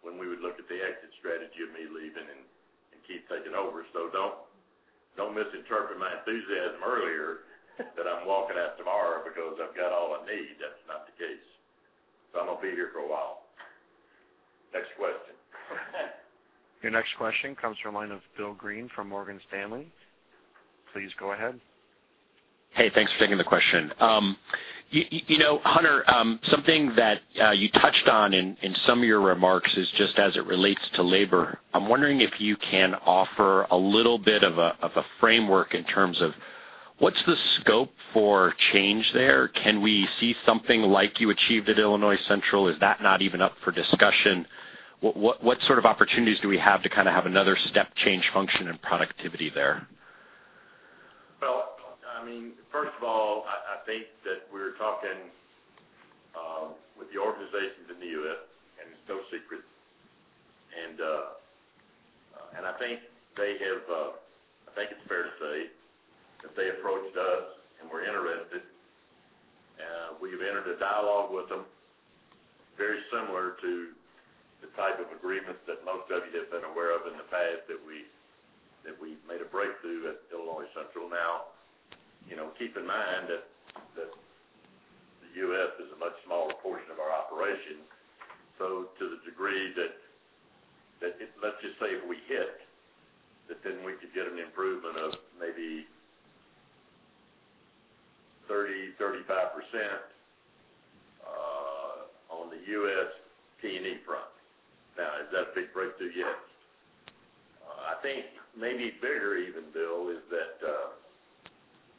when we would look at the exit strategy of me leaving and, and Keith taking over. So don't, don't misinterpret my enthusiasm earlier that I'm walking out tomorrow because I've got all I need. That's not the case. So I'm gonna be here for a while. Next question. Your next question comes from line of Bill Greene from Morgan Stanley. Please go ahead. Hey. Thanks for taking the question. You know, Hunter, something that you touched on in some of your remarks is just as it relates to labor. I'm wondering if you can offer a little bit of a framework in terms of what's the scope for change there? Can we see something like you achieved at Illinois Central? Is that not even up for discussion? What sort of opportunities do we have to kinda have another step change function and productivity there? Well, I mean, first of all, I think that we're talking with the organizations in the U.S. and it's no secret. And I think they have, I think it's fair to say that they approached us. And we're interested. We've entered a dialogue with them very similar to the type of agreements that most of you have been aware of in the past that we've made a breakthrough at Illinois Central. Now, you know, keep in mind that the U.S. is a much smaller portion of our operation. So to the degree that it, let's just say if we hit that, then we could get an improvement of maybe 30%-35% on the U.S. T&E front. Now, is that a big breakthrough? Yes. I think maybe bigger even, Bill, is that,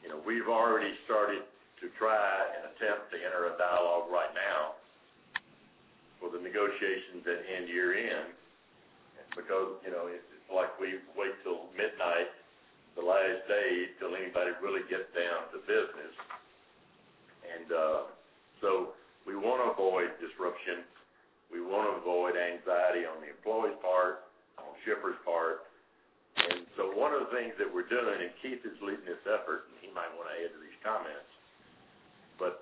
you know, we've already started to try an attempt to enter a dialogue right now for the negotiations that end year-end because, you know, it's, it's like we wait till midnight, the last day, till anybody really gets down to business. So we wanna avoid disruption. We wanna avoid anxiety on the employees' part, on shippers' part. So one of the things that we're doing and Keith is leading this effort. He might wanna add to these comments. But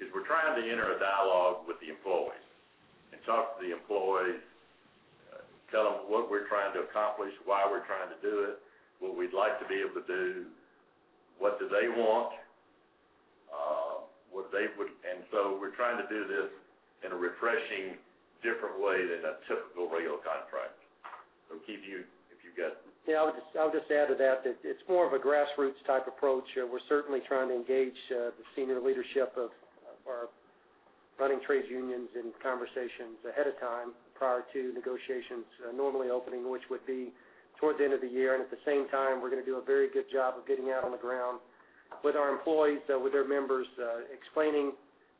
is we're trying to enter a dialogue with the employees and talk to the employees, tell them what we're trying to accomplish, why we're trying to do it, what we'd like to be able to do, what do they want, what they would and so we're trying to do this in a refreshing, different way than a typical rail contract. So, Keith, if you've got. Yeah. I would just I would just add to that that it's more of a grassroots type approach. We're certainly trying to engage the senior leadership of our running trade unions in conversations ahead of time prior to negotiations, normally opening, which would be toward the end of the year. At the same time, we're gonna do a very good job of getting out on the ground with our employees, with their members, explaining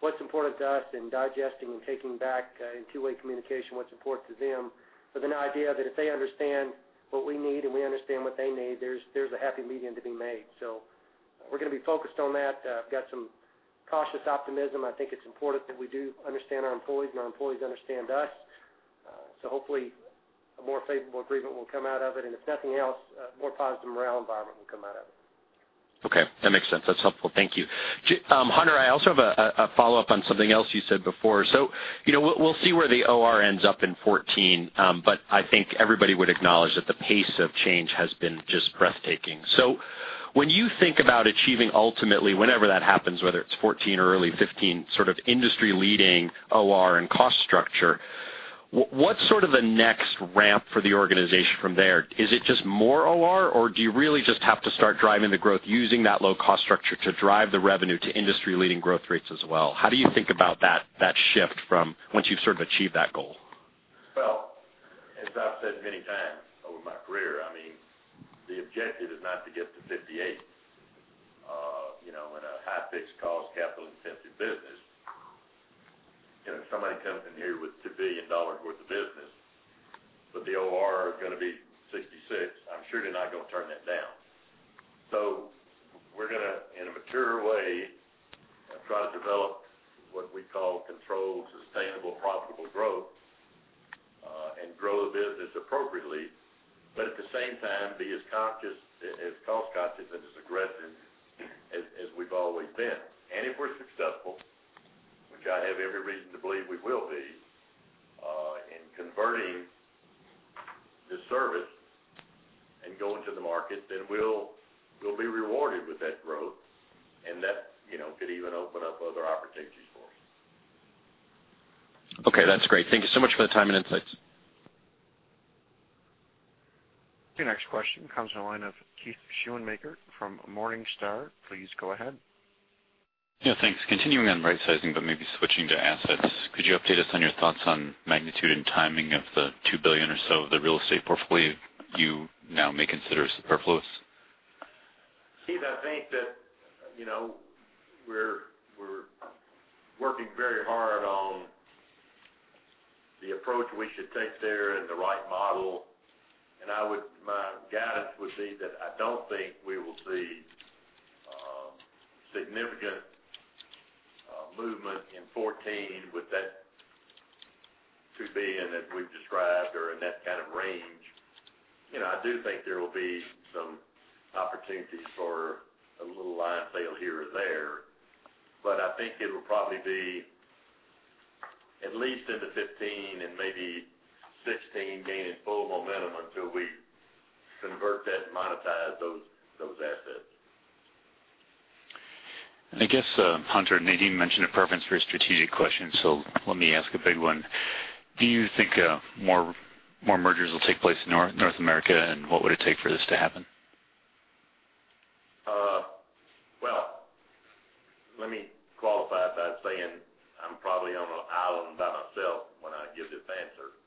what's important to us and digesting and taking back in two-way communication what's important to them. The idea that if they understand what we need and we understand what they need, there's, there's a happy medium to be made. We're gonna be focused on that. I've got some cautious optimism. I think it's important that we do understand our employees. Our employees understand us. Hopefully, a more favorable agreement will come out of it. If nothing else, a more positive morale environment will come out of it. Okay. That makes sense. That's helpful. Thank you. Hunter, I also have a follow-up on something else you said before. So, you know, we'll see where the OR ends up in 2014. But I think everybody would acknowledge that the pace of change has been just breathtaking. So when you think about achieving ultimately, whenever that happens, whether it's 2014 or early 2015, sort of industry-leading OR and cost structure, what's sort of the next ramp for the organization from there? Is it just more OR? Or do you really just have to start driving the growth using that low cost structure to drive the revenue to industry-leading growth rates as well? How do you think about that shift from once you've sort of achieved that goal? Well, as I've said many times over my career, I mean, the objective is not to get to 58, you know, in a high-fixed cost, capital-intensive business. You know, if somebody comes in here with $2 billion worth of business but the OR is gonna be 66, I'm sure they're not gonna turn that down. So we're gonna, in a mature way, try to develop what we call controlled, sustainable, profitable growth, and grow the business appropriately but at the same time, be as conscious as cost-conscious and as aggressive as we've always been. And if we're successful, which I have every reason to believe we will be, in converting the service and going to the market, then we'll be rewarded with that growth. And that, you know, could even open up other opportunities for us. Okay. That's great. Thank you so much for the time and insights. Your next question comes from the line of Keith Schoonmaker from Morningstar. Please go ahead. Yeah. Thanks. Continuing on right-sizing but maybe switching to assets. Could you update us on your thoughts on magnitude and timing of the 2 billion or so of the real estate portfolio you now may consider as superfluous? Keith, I think that, you know, we're working very hard on the approach we should take there and the right model. My guidance would be that I don't think we will see significant movement in 2014 with that $2 billion that we've described or in that kind of range. You know, I do think there will be some opportunities for a little line sale here or there. But I think it'll probably be at least into 2015 and maybe 2016 gaining full momentum until we convert that and monetize those assets. I guess, Hunter, Nadeem mentioned a preference for a strategic question. So let me ask a big one. Do you think more mergers will take place in North America? And what would it take for this to happen? Well, let me qualify by saying I'm probably on an island by myself when I give this answer.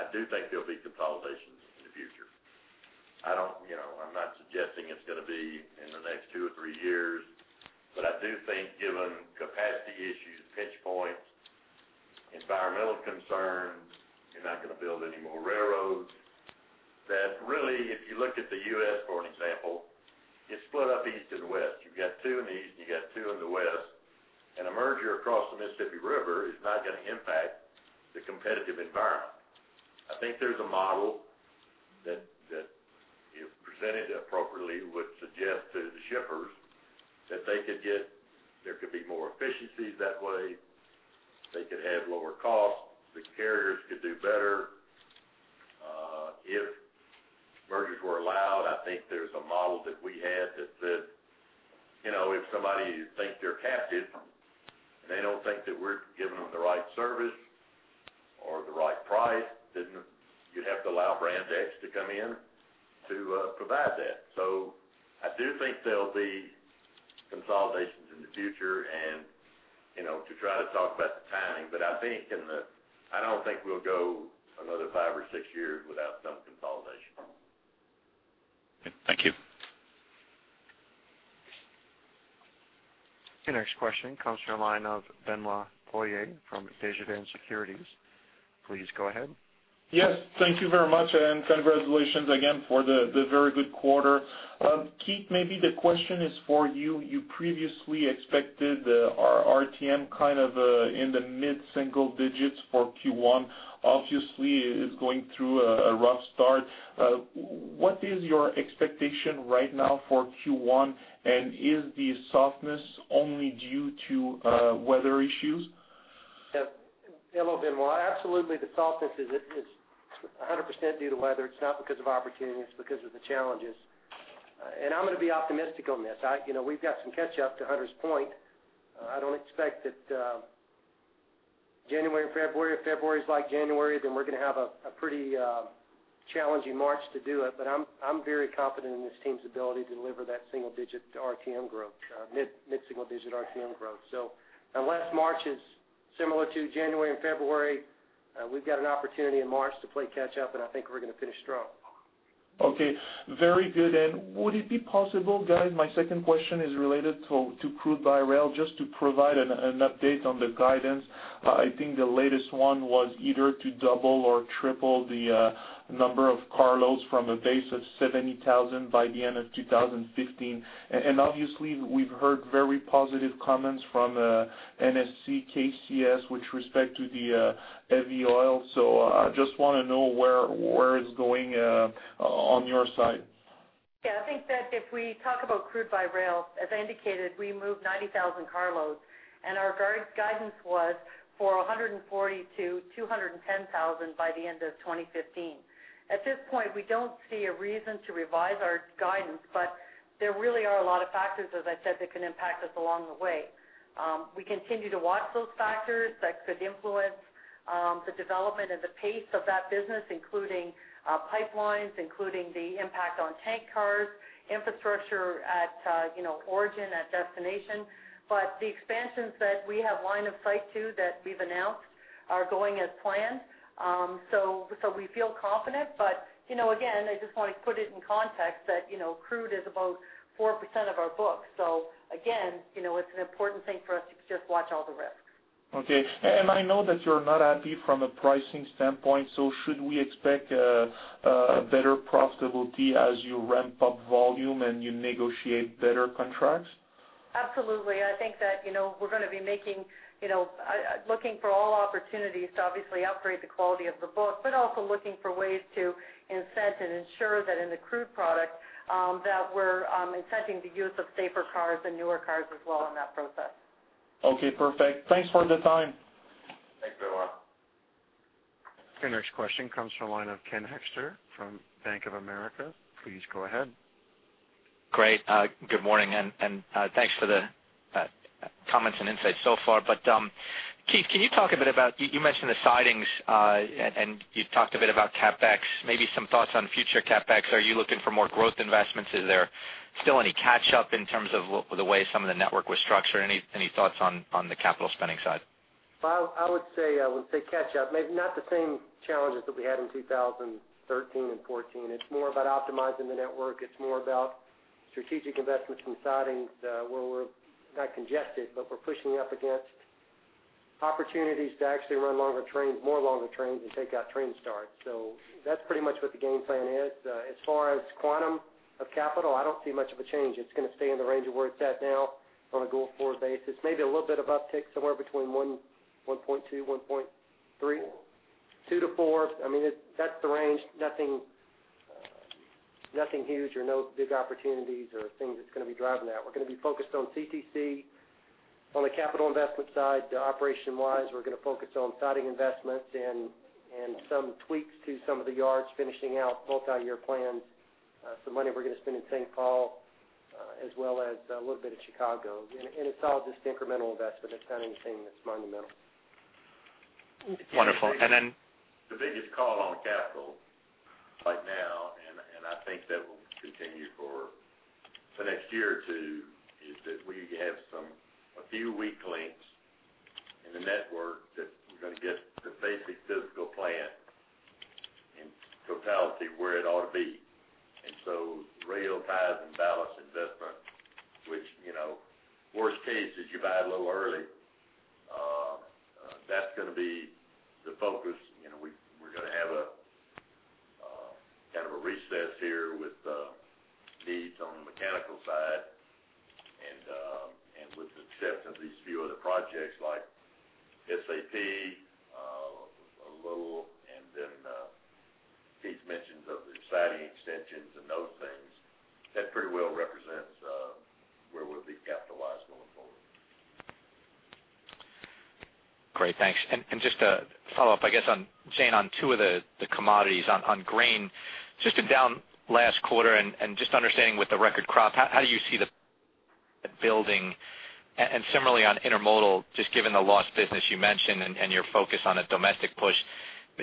I do think there'll be consolidations in the future. I don't, you know, I'm not suggesting it's gonna be in the next two or three years. But I do think given capacity issues, pinch points, environmental concerns, you're not gonna build any more railroads. That really, if you look at the U.S., for an example, it's split up east and west. You've got two in the east. And you've got two in the west. And a merger across the Mississippi River is not gonna impact the competitive environment. I think there's a model that, that if presented appropriately, would suggest to the shippers that they could get there could be more efficiencies that way. They could have lower costs. The carriers could do better. If mergers were allowed, I think there's a model that we had that said, you know, if somebody thinks they're captive and they don't think that we're giving them the right service or the right price, then you'd have to allow Brand X to come in to provide that. So I do think there'll be consolidations in the future and, you know, to try to talk about the timing. But I think in the, I don't think we'll go another five or six years without some consolidation. Okay. Thank you. Your next question comes from the line of Benoit Poirier from Desjardins Securities. Please go ahead. Yes. Thank you very much. And congratulations again for the very good quarter. Keith, maybe the question is for you. You previously expected our RTM kind of in the mid-single digits for Q1. Obviously, it is going through a rough start. What is your expectation right now for Q1? And is the softness only due to weather issues? Yeah. Hello, Benoit. Absolutely, the softness is 100% due to weather. It's not because of opportunity. It's because of the challenges, and I'm gonna be optimistic on this. I, you know, we've got some catch-up to Hunter's point. I don't expect that January and February. February's like January. Then we're gonna have a pretty challenging March to do it. But I'm very confident in this team's ability to deliver that single-digit RTM growth, mid-single-digit RTM growth. So unless March is similar to January and February, we've got an opportunity in March to play catch-up. And I think we're gonna finish strong. Okay. Very good. And would it be possible guys? My second question is related to crude by rail. Just to provide an update on the guidance. I think the latest one was either to double or triple the number of carloads from a base of 70,000 by the end of 2015. And obviously, we've heard very positive comments from NSC, KCS with respect to the heavy oil. So, I just wanna know where it's going on your side. Yeah. I think that if we talk about crude by rail, as I indicated, we moved 90,000 carloads. Our guidance was for 140,000-210,000 by the end of 2015. At this point, we don't see a reason to revise our guidance. But there really are a lot of factors, as I said, that can impact us along the way. We continue to watch those factors that could influence the development and the pace of that business, including pipelines, including the impact on tank cars, infrastructure at, you know, origin, at destination. But the expansions that we have line of sight to that we've announced are going as planned. So we feel confident. But, you know, again, I just wanna put it in context that, you know, crude is about 4% of our books. So again, you know, it's an important thing for us to just watch all the risks. Okay. And I know that you're not happy from a pricing standpoint. So should we expect better profitability as you ramp up volume and you negotiate better contracts? Absolutely. I think that, you know, we're gonna be making, you know, looking for all opportunities to obviously upgrade the quality of the book but also looking for ways to incent and ensure that in the crude product, that we're, incenting the use of safer cars and newer cars as well in that process. Okay. Perfect. Thanks for the time. Thanks, Benoit Poirier. Your next question comes from line of Ken Hoexter from Bank of America. Please go ahead. Great. Good morning. Thanks for the comments and insights so far. But, Keith, can you talk a bit about you mentioned the sidings, and you talked a bit about CapEx. Maybe some thoughts on future CapEx. Are you looking for more growth investments? Is there still any catch-up in terms of the way some of the network was structured? Any thoughts on the capital spending side? Well, I would say catch-up. Maybe not the same challenges that we had in 2013 and 2014. It's more about optimizing the network. It's more about strategic investments in sidings, where we're not congested but we're pushing up against opportunities to actually run longer trains, more longer trains, and take out train starts. So that's pretty much what the game plan is. As far as quantum of capital, I don't see much of a change. It's gonna stay in the range of where it's at now on a go-forward basis. Maybe a little bit of uptick somewhere between one, 1.2, 1.3, two to four. I mean, it's the range. Nothing, nothing huge or no big opportunities or things that's gonna be driving that. We're gonna be focused on CTC on the capital investment side. Operation-wise, we're gonna focus on siding investments and some tweaks to some of the yards, finishing out multi-year plans. Some money we're gonna spend in St. Paul, as well as a little bit in Chicago. And it's all just incremental investment. It's not anything that's monumental. Wonderful. And then. The biggest call on capital right now, and I think that will continue for the next year or two, is that we have a few weak lengths in the network that we're gonna get the basic physical plant in totality where it ought to be. And so rail ties and ballast investment, which, you know, worst case is you buy it a little early. That's gonna be the focus. You know, we're gonna have a kind of a recess here with needs on the mechanical side and with the acceptance of these few other projects like SAP a little. And then Keith mentioned the siding extensions and those things. That pretty well represents where we'll be capitalized going forward. Great. Thanks. And just a follow-up, I guess, on Jane, on two of the commodities. On grain, just in down last quarter and just understanding with the record crop, how do you see the building? And similarly on intermodal, just given the lost business you mentioned and your focus on a domestic push,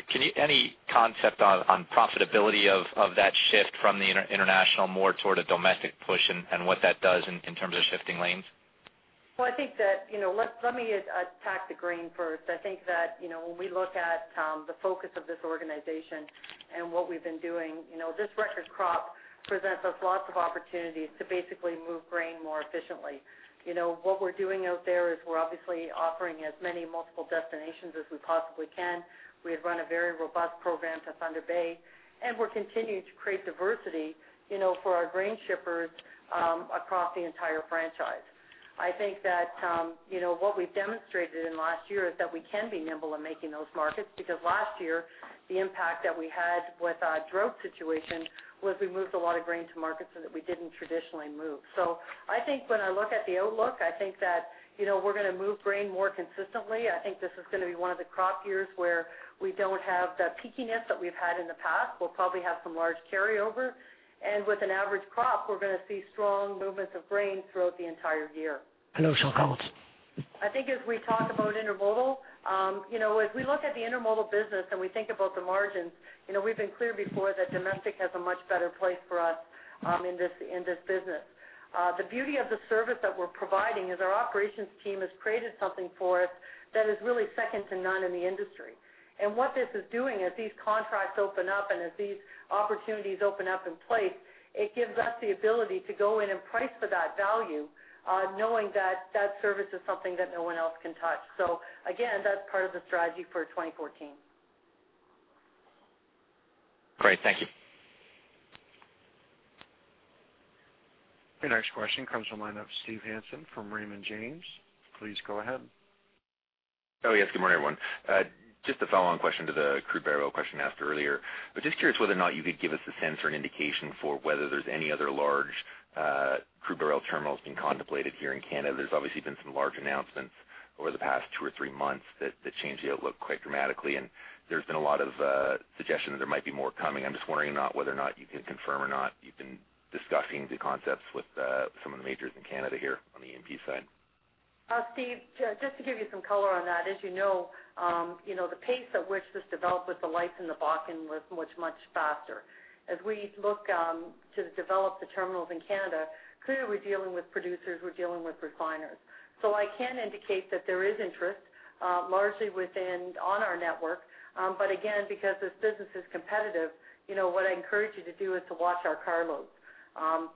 can you any concept on profitability of that shift from the international more toward a domestic push and what that does in terms of shifting lanes? Well, I think that, you know, let me attack the grain first. I think that, you know, when we look at the focus of this organization and what we've been doing, you know, this record crop presents us lots of opportunities to basically move grain more efficiently. You know, what we're doing out there is we're obviously offering as many multiple destinations as we possibly can. We had run a very robust program to Thunder Bay. And we're continuing to create diversity, you know, for our grain shippers, across the entire franchise. I think that, you know, what we've demonstrated in last year is that we can be nimble in making those markets because last year, the impact that we had with our drought situation was we moved a lot of grain to markets that we didn't traditionally move. So I think when I look at the outlook, I think that, you know, we're gonna move grain more consistently. I think this is gonna be one of the crop years where we don't have the peakiness that we've had in the past. We'll probably have some large carryover. And with an average crop, we're gonna see strong movements of grain throughout the entire year. Some comments. I think as we talk about intermodal, you know, as we look at the intermodal business and we think about the margins, you know, we've been clear before that domestic has a much better place for us in this business. The beauty of the service that we're providing is our operations team has created something for us that is really second to none in the industry. And what this is doing as these contracts open up and as these opportunities open up in place, it gives us the ability to go in and price for that value, knowing that that service is something that no one else can touch. So again, that's part of the strategy for 2014. Great. Thank you. Your next question comes from the line of Steve Hansen from Raymond James. Please go ahead. Oh, yes. Good morning, everyone. Just a follow-on question to the crude by rail question asked earlier. I was just curious whether or not you could give us a sense or an indication for whether there's any other large crude by rail terminals being contemplated here in Canada. There's obviously been some large announcements over the past two or three months that changed the outlook quite dramatically. And there's been a lot of suggestions there might be more coming. I'm just wondering whether or not you can confirm or not you've been discussing the concepts with some of the majors in Canada here on the E&P side. Steve, just to give you some color on that, as you know, you know, the pace at which this developed with the lights in the Bakken was much, much faster. As we look to develop the terminals in Canada, clearly, we're dealing with producers. We're dealing with refiners. So I can indicate that there is interest, largely within on our network. But again, because this business is competitive, you know, what I encourage you to do is to watch our carloads.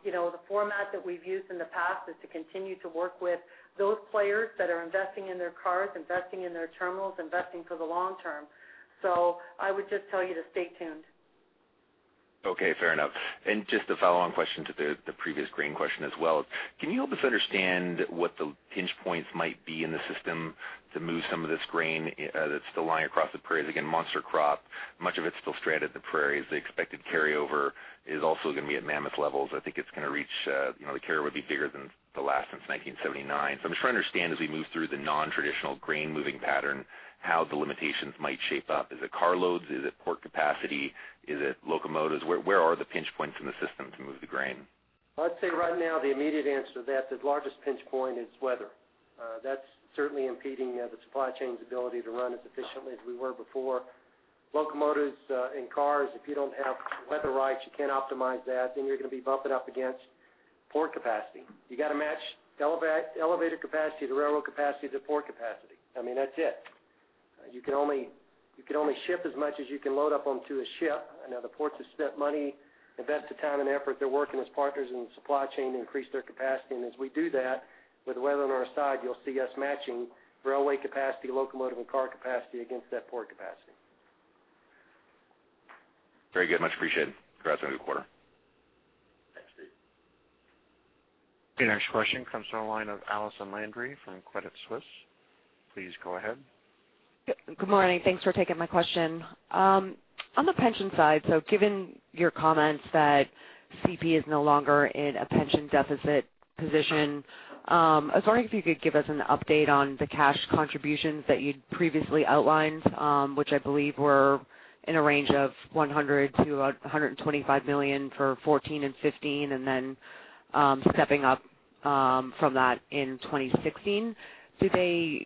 You know, the format that we've used in the past is to continue to work with those players that are investing in their cars, investing in their terminals, investing for the long term. So I would just tell you to stay tuned. Okay. Fair enough. And just a follow-on question to the previous grain question as well. Can you help us understand what the pinch points might be in the system to move some of this grain that's still lying across the prairies? Again, monster crop. Much of it's still stranded in the prairies. The expected carryover is also gonna be at mammoth levels. I think it's gonna reach, you know, the carryover would be bigger than the last since 1979. So I'm just trying to understand as we move through the non-traditional grain-moving pattern, how the limitations might shape up. Is it carloads? Is it port capacity? Is it locomotives? Where are the pinch points in the system to move the grain? Well, I'd say right now, the immediate answer to that, the largest pinch point is weather. That's certainly impeding the supply chain's ability to run as efficiently as we were before. Locomotives and cars, if you don't have weather right, you can't optimize that. Then you're gonna be bumping up against port capacity. You gotta match elevator capacity to railroad capacity to port capacity. I mean, that's it. You can only ship as much as you can load up onto a ship. I know the ports have spent money, invested time and effort. They're working as partners in the supply chain to increase their capacity. And as we do that, with weather on our side, you'll see us matching railway capacity, locomotive, and car capacity against that port capacity. Very good. Much appreciated. Congrats on a good quarter. Thanks, Steve. Your next question comes from the line of Allison Landry from Credit Suisse. Please go ahead. Good morning. Thanks for taking my question. On the pension side, so given your comments that CP is no longer in a pension deficit position, I was wondering if you could give us an update on the cash contributions that you'd previously outlined, which I believe were in a range of 100 million to about 125 million for 2014 and 2015 and then, stepping up, from that in 2016. Did they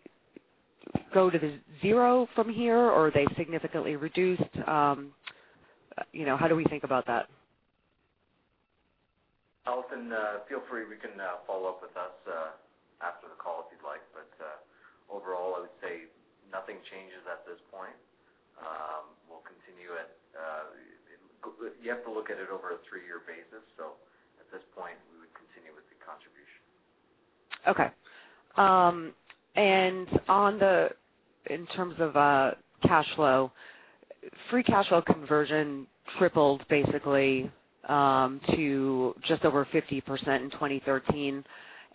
go to the zero from here or are they significantly reduced? You know, how do we think about that? Allison, feel free. We can follow up with us after the call if you'd like. But overall, I would say nothing changes at this point. We'll continue at. You have to look at it over a three-year basis. So at this point, we would continue with the contribution. Okay. And, in terms of cash flow, free cash flow conversion tripled, basically, to just over 50% in 2013.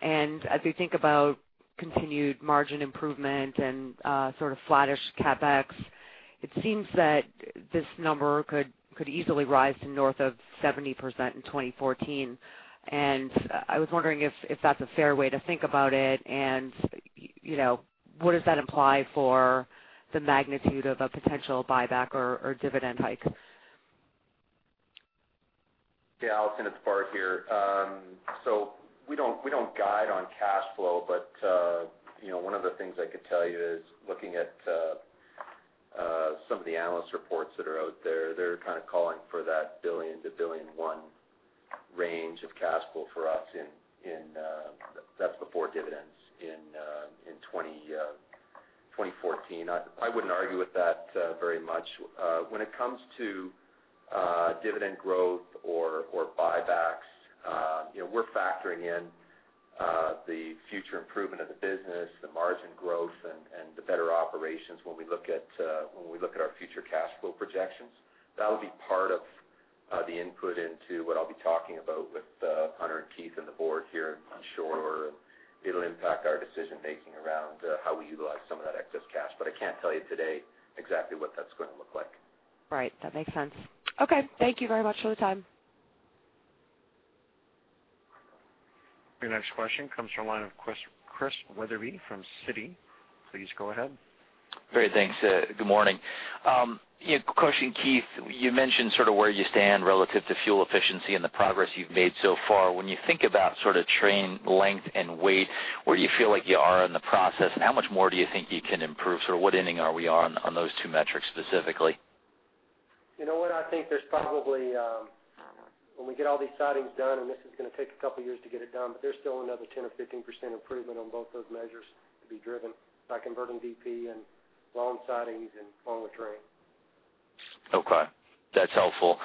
And as we think about continued margin improvement and sort of flattish CapEx, it seems that this number could easily rise to north of 70% in 2014. And I was wondering if that's a fair way to think about it. And you know, what does that imply for the magnitude of a potential buyback or dividend hike? Yeah. Allison, it's Bart here. So, we don't guide on cash flow. But, you know, one of the things I could tell you is, looking at some of the analyst reports that are out there, they're kind of calling for that $1 billion-$1.1 billion range of cash flow for us in 2014. That's before dividends in 2014. I wouldn't argue with that very much. When it comes to dividend growth or buybacks, you know, we're factoring in the future improvement of the business, the margin growth, and the better operations when we look at our future cash flow projections. That'll be part of the input into what I'll be talking about with Hunter and Keith and the board here on shareholder. And it'll impact our decision-making around how we utilize some of that excess cash. But I can't tell you today exactly what that's gonna look like. Right. That makes sense. Okay. Thank you very much for the time. Your next question comes from the line of Chris Wetherbee from Citi. Please go ahead. Very thanks. Good morning. You know, Coach and Keith, you mentioned sort of where you stand relative to fuel efficiency and the progress you've made so far. When you think about sort of train length and weight, where do you feel like you are in the process? And how much more do you think you can improve? Sort of what inning are we on, on those two metrics specifically? You know what? I think there's probably, when we get all these sidings done and this is gonna take a couple years to get it done, but there's still another 10% or 15% improvement on both those measures to be driven by converting DP and long sidings and longer train. Okay. That's helpful.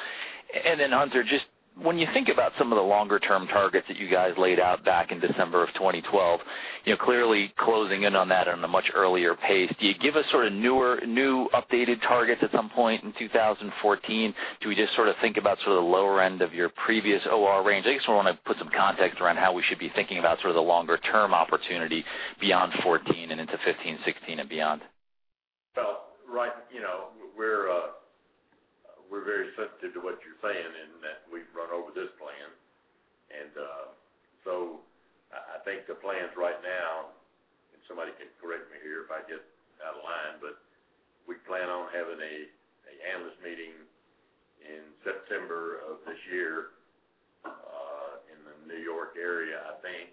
And then, Hunter, just when you think about some of the longer-term targets that you guys laid out back in December of 2012, you know, clearly closing in on that in a much earlier pace, do you give us sort of newer, new updated targets at some point in 2014? Do we just sort of think about sort of the lower end of your previous OR range? I just wanna put some context around how we should be thinking about sort of the longer-term opportunity beyond 2014 and into 2015, 2016, and beyond. Well, right. You know, we're very sensitive to what you're saying in that we've run over this plan. So I think the plan's right now and somebody can correct me here if I get out of line. But we plan on having an analyst meeting in September of this year, in the New York area, I think.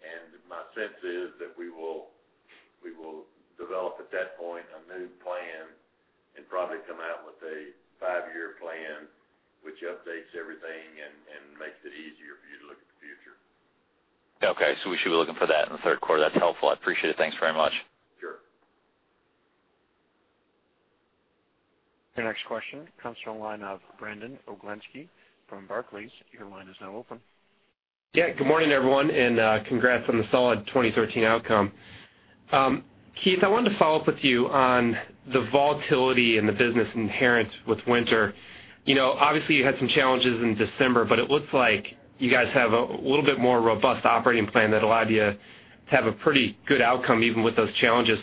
And my sense is that we will develop at that point a new plan and probably come out with a five-year plan which updates everything and makes it easier for you to look at the future. Okay. So we should be looking for that in the third quarter. That's helpful. I appreciate it. Thanks very much. Sure. Your next question comes from the line of Brandon Oglenski from Barclays. Your line is now open. Yeah. Good morning, everyone. Congrats on the solid 2013 outcome. Keith, I wanted to follow up with you on the volatility in the business inherent with winter. You know, obviously, you had some challenges in December. It looks like you guys have a little bit more robust operating plan that allowed you to have a pretty good outcome even with those challenges.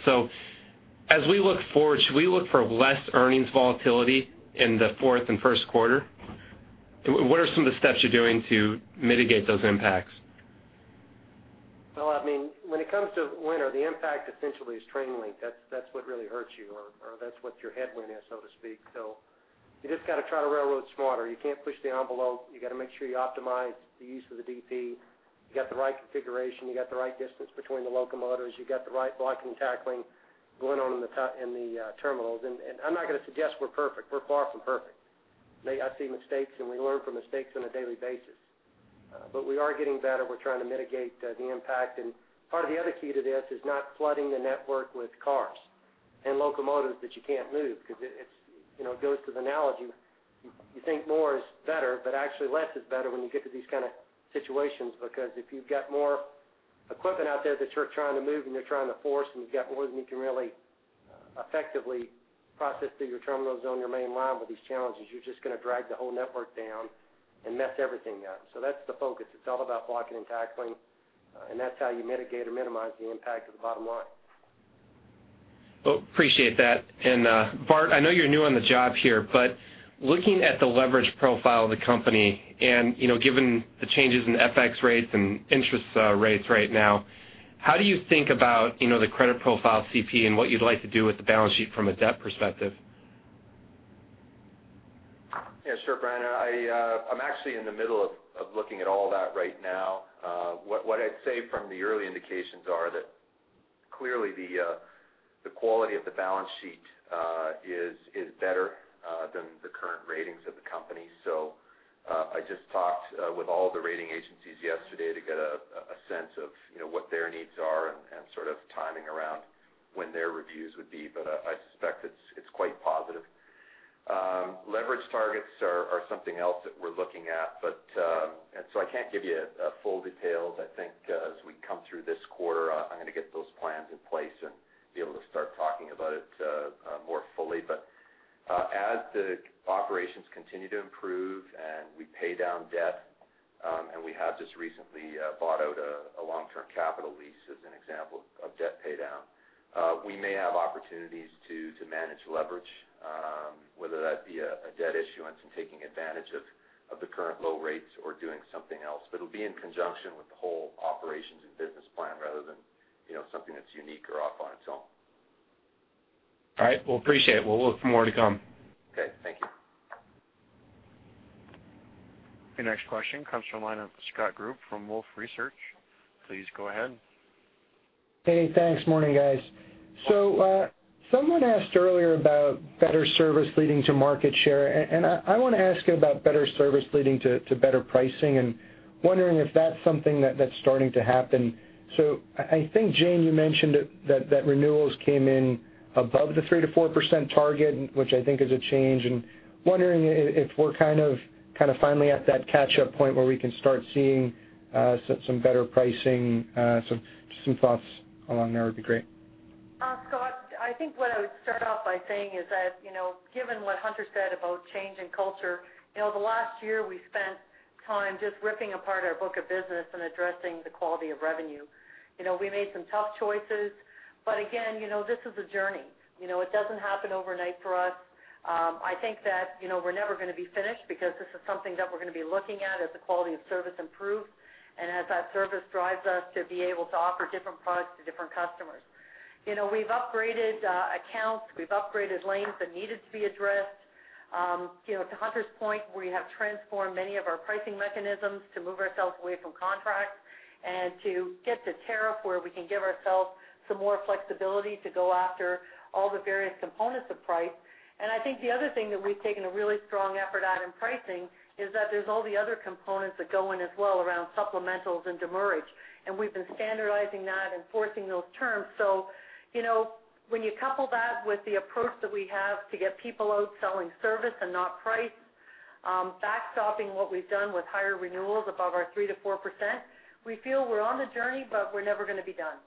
As we look forward, should we look for less earnings volatility in the fourth and first quarter? What are some of the steps you're doing to mitigate those impacts? Well, I mean, when it comes to winter, the impact essentially is train length. That's what really hurts you or that's what your headwind is, so to speak. So you just gotta try to railroad smarter. You can't push the envelope. You gotta make sure you optimize the use of the DP. You got the right configuration. You got the right distance between the locomotives. You got the right blocking and tackling going on in the terminals. And I'm not gonna suggest we're perfect. We're far from perfect. And I see mistakes. And we learn from mistakes on a daily basis. But we are getting better. We're trying to mitigate the impact. And part of the other key to this is not flooding the network with cars and locomotives that you can't move 'cause it's, you know, it goes to the analogy. You, you think more is better, but actually, less is better when you get to these kinda situations because if you've got more equipment out there that you're trying to move and you're trying to force and you've got more than you can really, effectively process through your terminals on your main line with these challenges, you're just gonna drag the whole network down and mess everything up. So that's the focus. It's all about blocking and tackling. And that's how you mitigate or minimize the impact of the bottom line. Well, appreciate that. Bart, I know you're new on the job here. Looking at the leverage profile of the company and, you know, given the changes in FX rates and interest rates right now, how do you think about, you know, the credit profile of CP and what you'd like to do with the balance sheet from a debt perspective? Yeah. Sure, Brian. I'm actually in the middle of looking at all that right now. What I'd say from the early indications are that clearly, the quality of the balance sheet is better than the current ratings of the company. So, I just talked with all of the rating agencies yesterday to get a sense of, you know, what their needs are and sort of timing around when their reviews would be. But I suspect it's quite positive. Leverage targets are something else that we're looking at. But, and so I can't give you full details. I think, as we come through this quarter, I'm gonna get those plans in place and be able to start talking about it more fully. But as the operations continue to improve and we pay down debt, and we have just recently bought out a long-term capital lease as an example of debt paydown, we may have opportunities to manage leverage, whether that be a debt issuance and taking advantage of the current low rates or doing something else. But it'll be in conjunction with the whole operations and business plan rather than, you know, something that's unique or off on its own. All right. Well, appreciate it. We'll look for more to come. Okay. Thank you. Your next question comes from line of Scott Group from Wolfe Research. Please go ahead. Hey. Thanks. Morning, guys. So, someone asked earlier about better service leading to market share. And I wanna ask you about better service leading to better pricing. And wondering if that's something that's starting to happen. So I think, Jane, you mentioned that renewals came in above the 3%-4% target, which I think is a change. And wondering if we're kind of finally at that catch-up point where we can start seeing some better pricing. So just some thoughts along there would be great. Scott, I think what I would start off by saying is that, you know, given what Hunter said about change in culture, you know, the last year, we spent time just ripping apart our book of business and addressing the quality of revenue. You know, we made some tough choices. But again, you know, this is a journey. You know, it doesn't happen overnight for us. I think that, you know, we're never gonna be finished because this is something that we're gonna be looking at as the quality of service improves and as that service drives us to be able to offer different products to different customers. You know, we've upgraded accounts. We've upgraded lanes that needed to be addressed. You know, to Hunter's point, we have transformed many of our pricing mechanisms to move ourselves away from contracts and to get to tariff where we can give ourselves some more flexibility to go after all the various components of price. And I think the other thing that we've taken a really strong effort at in pricing is that there's all the other components that go in as well around supplementals and demurrage. And we've been standardizing that and forcing those terms. So, you know, when you couple that with the approach that we have to get people out selling service and not price, backstopping what we've done with higher renewals above our 3%-4%, we feel we're on the journey, but we're never gonna be done.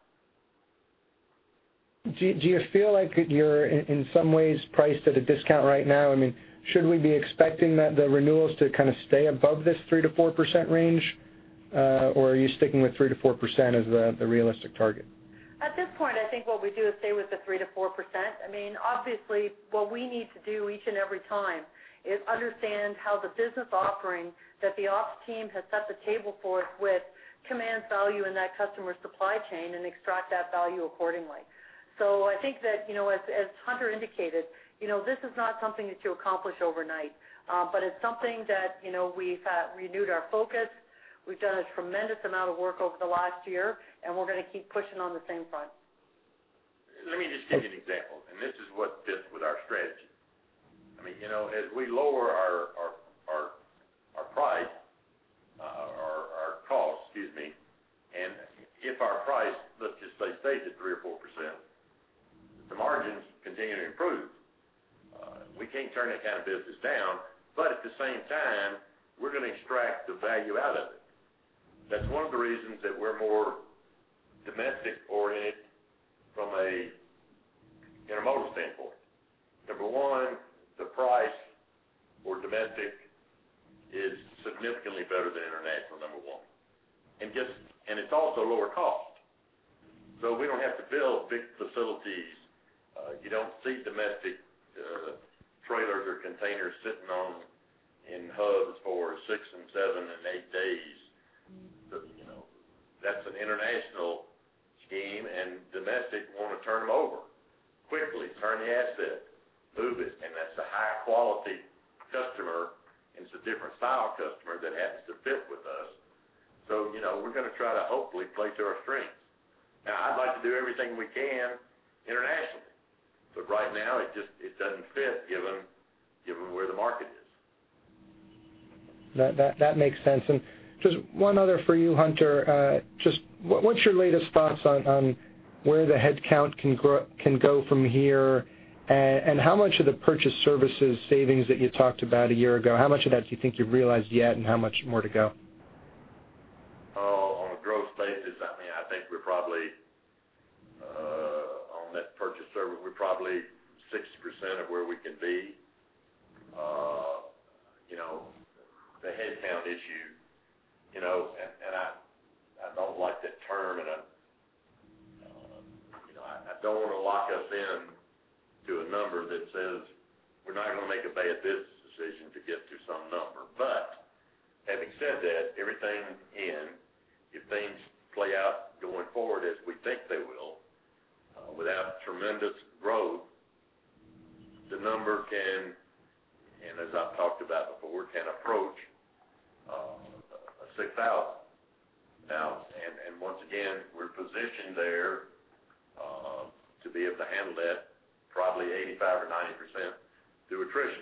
Do you feel like you're in some ways priced at a discount right now? I mean, should we be expecting that the renewals to kinda stay above this 3%-4% range? Or are you sticking with 3%-4% as the realistic target? At this point, I think what we do is stay with the 3%-4%. I mean, obviously, what we need to do each and every time is understand how the business offering that the ops team has set the table for us with commanding value in that customer's supply chain and extract that value accordingly. So I think that, you know, as Hunter indicated, you know, this is not something that you accomplish overnight. But it's something that, you know, we've had renewed our focus. We've done a tremendous amount of work over the last year. And we're gonna keep pushing on the same front. Let me just give you an example. This is what fits with our strategy. I mean, you know, as we lower our cost - excuse me - and if our price, let's just say, stays at 3% or 4%, the margins continue to improve. We can't turn that kinda business down. But at the same time, we're gonna extract the value out of it. That's one of the reasons that we're more domestic-oriented from an intermodal standpoint. Number one, the price for domestic is significantly better than international, number one. And it's also lower cost. So we don't have to build big facilities. You don't see domestic trailers or containers sitting in hubs for six, seven, and eight days. So, you know, that's an international scheme. And domestic, wanna turn them over quickly, turn the asset, move it. And that's a high-quality customer. And it's a different style customer that happens to fit with us. So, you know, we're gonna try to hopefully play to our strengths. Now, I'd like to do everything we can internationally. But right now, it just doesn't fit given where the market is. That makes sense. And just one other for you, Hunter. Just what's your latest thoughts on where the headcount can grow from here? And how much of the purchased services savings that you talked about a year ago do you think you've realized yet and how much more to go? On a growth basis, I mean, I think we're probably on that purchased service, we're probably 60% of where we can be. You know, the headcount issue you know, and, and I, I don't like that term. And I'm you know, I, I don't wanna lock us in to a number that says we're not gonna make a bad business decision to get to some number. But having said that, everything in, if things play out going forward as we think they will, without tremendous growth, the number can and as I've talked about before, can approach a 6,000. Now, and, and once again, we're positioned there, to be able to handle that, probably 85% or 90% through attrition.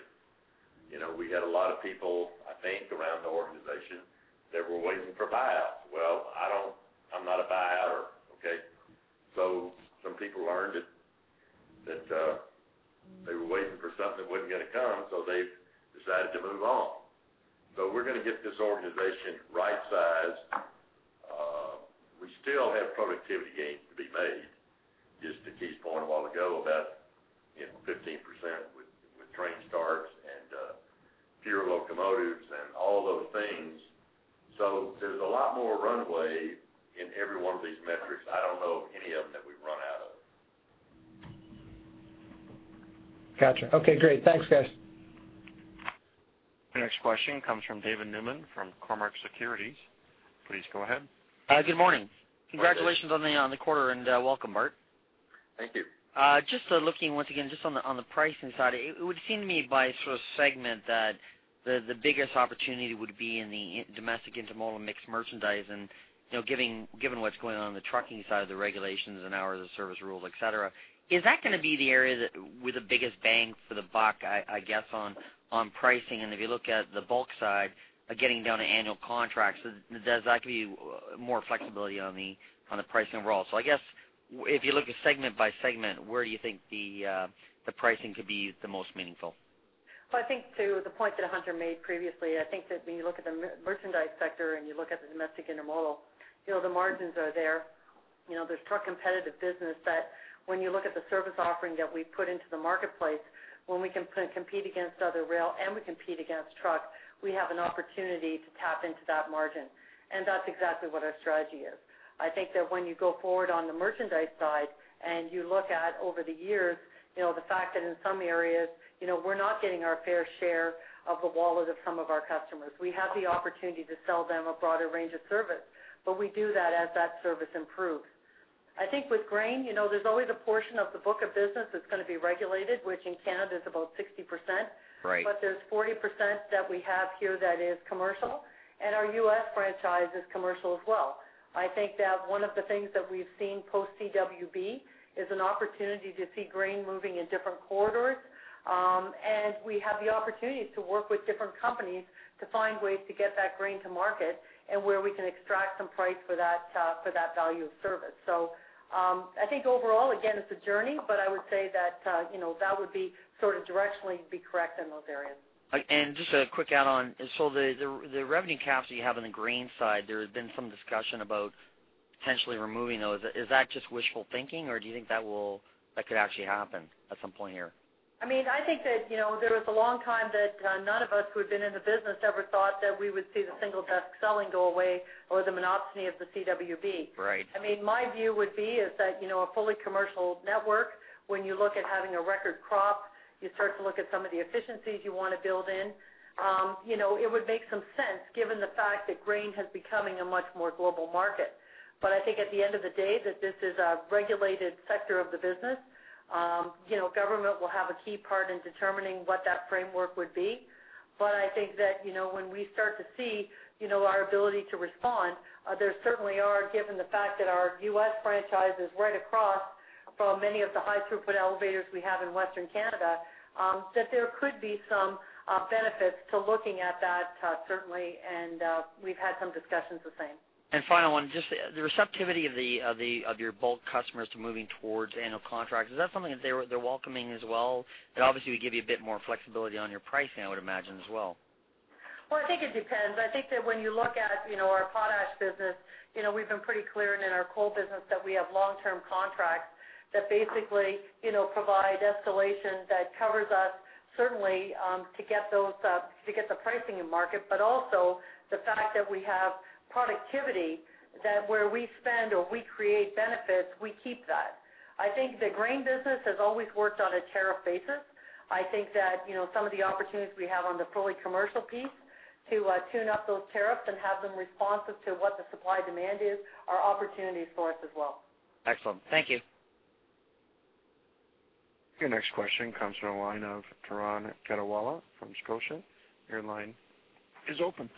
You know, we had a lot of people, I think, around the organization that were waiting for buyouts. Well, I don't, I'm not a buyoutter, okay? So some people learned that they were waiting for something that wasn't gonna come. So they've decided to move on. So we're gonna get this organization right-sized. We still have productivity gains to be made, just to Keith's point a while ago about, you know, 15% with train starts and fewer locomotives and all those things. So there's a lot more runway in every one of these metrics. I don't know of any of them that we've run out of. Gotcha. Okay. Great. Thanks, guys. Your next question comes from David Newman from Cormark Securities. Please go ahead. Good morning. Congratulations on the quarter. Welcome, Bart. Thank you. Just looking once again on the pricing side, it would seem to me by segment that the biggest opportunity would be in the domestic intermodal mixed merchandise. And, you know, given what's going on on the trucking side of the regulations and hours of service rules, etc., is that gonna be the area with the biggest bang for the buck, I guess, on pricing? And if you look at the bulk side, getting down to annual contracts, there's likely to be more flexibility on the pricing overall. So I guess if you look at segment by segment, where do you think the pricing could be the most meaningful? Well, I think to the point that Hunter made previously, I think that when you look at the merchandise sector and you look at the domestic intermodal, you know, the margins are there. You know, there's truck-competitive business that when you look at the service offering that we put into the marketplace, when we can compete against other rail and we compete against truck, we have an opportunity to tap into that margin. And that's exactly what our strategy is. I think that when you go forward on the merchandise side and you look at over the years, you know, the fact that in some areas, you know, we're not getting our fair share of the wallet of some of our customers. We have the opportunity to sell them a broader range of service. But we do that as that service improves. I think with grain, you know, there's always a portion of the book of business that's gonna be regulated, which in Canada is about 60%. Right. But there's 40% that we have here that is commercial. And our U.S. franchise is commercial as well. I think that one of the things that we've seen post-CWB is an opportunity to see grain moving in different corridors. And we have the opportunity to work with different companies to find ways to get that grain to market and where we can extract some price for that, for that value of service. So, I think overall, again, it's a journey. But I would say that, you know, that would be sort of directionally be correct in those areas. And just a quick add-on. So the revenue caps that you have on the grain side, there had been some discussion about potentially removing those. Is that just wishful thinking? Or do you think that could actually happen at some point here? I mean, I think that, you know, there was a long time that, none of us who had been in the business ever thought that we would see the single desk selling go away or the monopsony of the CWB. Right. I mean, my view would be is that, you know, a fully commercial network, when you look at having a record crop, you start to look at some of the efficiencies you wanna build in. You know, it would make some sense given the fact that grain has becoming a much more global market. But I think at the end of the day, that this is a regulated sector of the business. You know, government will have a key part in determining what that framework would be. But I think that, you know, when we start to see, you know, our ability to respond, there certainly are, given the fact that our U.S. franchise is right across from many of the high-throughput elevators we have in Western Canada, that there could be some benefits to looking at that, certainly. And, we've had some discussions the same. And final one. Just the receptivity of your bulk customers to moving towards annual contracts, is that something that they're welcoming as well? It obviously would give you a bit more flexibility on your pricing, I would imagine, as well. Well, I think it depends. I think that when you look at, you know, our potash business, you know, we've been pretty clear in, in our coal business that we have long-term contracts that basically, you know, provide escalation that covers us, certainly, to get those, to get the pricing in market. But also the fact that we have productivity that where we spend or we create benefits, we keep that. I think the grain business has always worked on a tariff basis. I think that, you know, some of the opportunities we have on the fully commercial piece to, tune up those tariffs and have them responsive to what the supply-demand is are opportunities for us as well. Excellent. Thank you. Your next question comes from a line of Turan Quettawala from Scotiabank. Your line is open.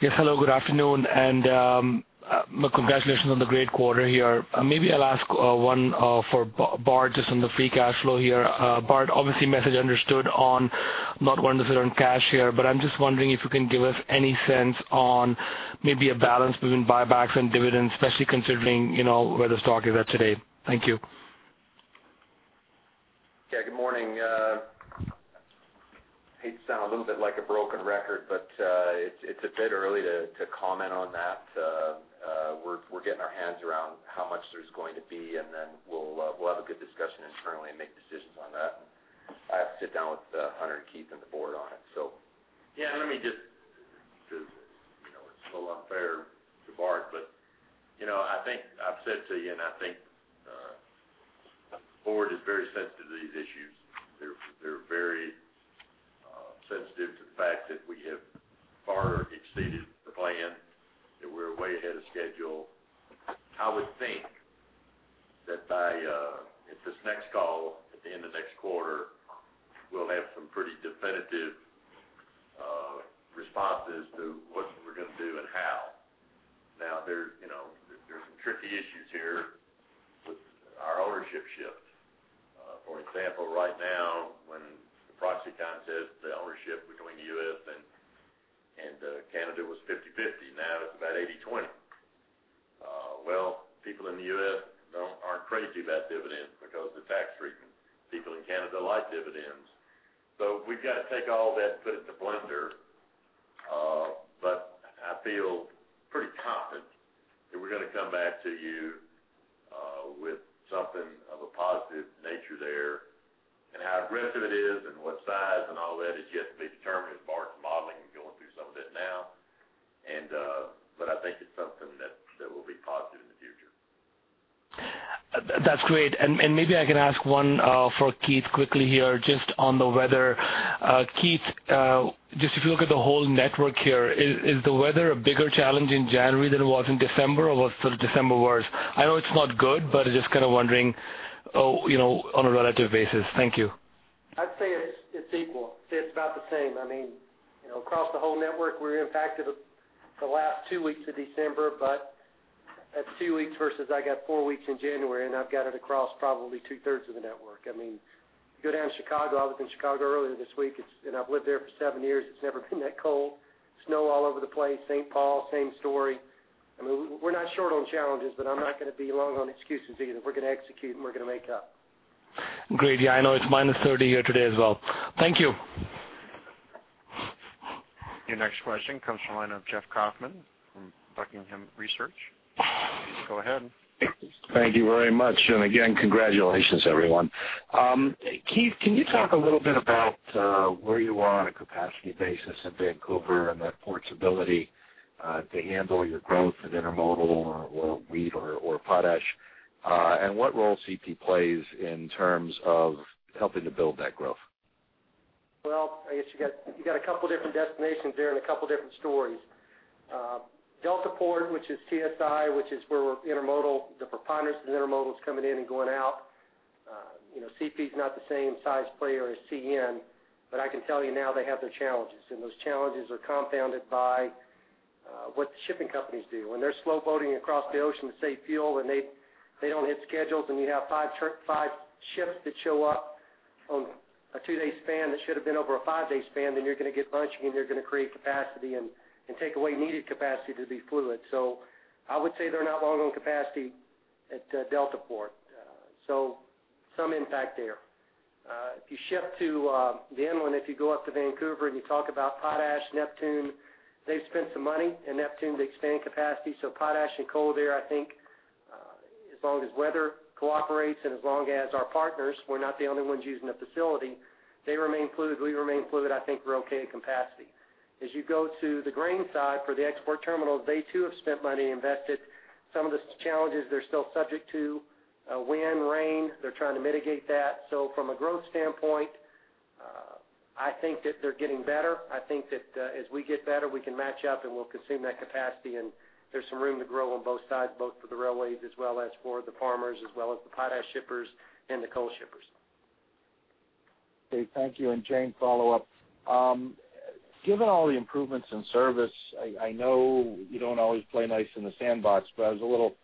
Yes. Hello. Good afternoon. And, my congratulations on the great quarter here. Maybe I'll ask, one, for Bart just on the free cash flow here. Bart, obviously, message understood on not wanting to sit on cash here. But I'm just wondering if you can give us any sense on maybe a balance between buybacks and dividends, especially considering, you know, where the stock is at today. Thank you. Yeah. Good morning. I hate to sound a little bit like a broken record. But it's a bit early to comment on that. We're getting our hands around how much there's going to be. And then we'll have a good discussion internally and make decisions on that. And I have to sit down with Hunter and Keith and the board on it, so. Yeah. Let me just. You know, it's still unfair to Bart. But, you know, I think I've said to you, and I think, the board is very sensitive to these issues. They're very sensitive to the fact that we have far exceeded the plan, that we're way ahead of schedule. I would think that by at this next call at the end of next quarter, we'll have some pretty definitive responses to what we're gonna do and how. Now, you know, there's some tricky issues here with our ownership shift. For example, right now, when the proxy considered the ownership between the U.S. and Canada was 50/50, now it's about 80/20. Well, people in the U.S. aren't crazy about dividends because of the tax treatment. People in Canada like dividends. So we've gotta take all that and put it to blender. I feel pretty confident that we're gonna come back to you with something of a positive nature there. How aggressive it is and what size and all that is yet to be determined is Bart's modeling and going through some of that now. But I think it's something that will be positive in the future. That's great. And maybe I can ask one for Keith quickly here just on the weather. Keith, just if you look at the whole network here, is the weather a bigger challenge in January than it was in December? Or was sort of December worse? I know it's not good. But I'm just kinda wondering, oh, you know, on a relative basis. Thank you. I'd say it's equal. I'd say it's about the same. I mean, you know, across the whole network, we're impacted the last two weeks of December. But that's two weeks versus I got four weeks in January. And I've got it across probably two-thirds of the network. I mean, you go down to Chicago. I was in Chicago earlier this week. It's, and I've lived there for seven years. It's never been that cold. Snow all over the place. St. Paul, same story. I mean, we're not short on challenges. But I'm not gonna be long on excuses either. We're gonna execute. And we're gonna make up. Great. Yeah. I know it's minus 30 here today as well. Thank you. Your next question comes from a line of Jeffrey Kauffman from Buckingham Research. Please go ahead. Thank you very much. And again, congratulations, everyone. Keith, can you talk a little bit about where you are on a capacity basis in Vancouver and that port's ability to handle your growth with intermodal or, or wheat or, or potash, and what role CP plays in terms of helping to build that growth? Well, I guess you got a couple different destinations there and a couple different stories. Deltaport, which is TSI, which is where we're intermodal the preponderance of the intermodal's coming in and going out. You know, CP's not the same-sized player as CN. But I can tell you now they have their challenges. And those challenges are compounded by what the shipping companies do. When they're slow-boating across the ocean to save fuel, and they don't hit schedules, and you have five ships that show up on a two-day span that should have been over a five-day span, then you're gonna get bunching. And you're gonna create capacity and take away needed capacity to be fluid. So I would say they're not long on capacity at Deltaport. So some impact there. If you shift to the inland, if you go up to Vancouver and you talk about potash, Neptune, they've spent some money in Neptune to expand capacity. So potash and coal there, I think, as long as weather cooperates and as long as our partners, we're not the only ones using the facility. They remain fluid. We remain fluid. I think we're okay at capacity. As you go to the grain side for the export terminals, they, too, have spent money and invested. Some of the challenges they're still subject to, wind, rain. They're trying to mitigate that. So from a growth standpoint, I think that they're getting better. I think that, as we get better, we can match up. And we'll consume that capacity. There's some room to grow on both sides, both for the railways as well as for the farmers as well as the potash shippers and the coal shippers. Okay. Thank you. And Jane, follow-up. Given all the improvements in service, I, I know you don't always play nice in the sandbox. But I was a little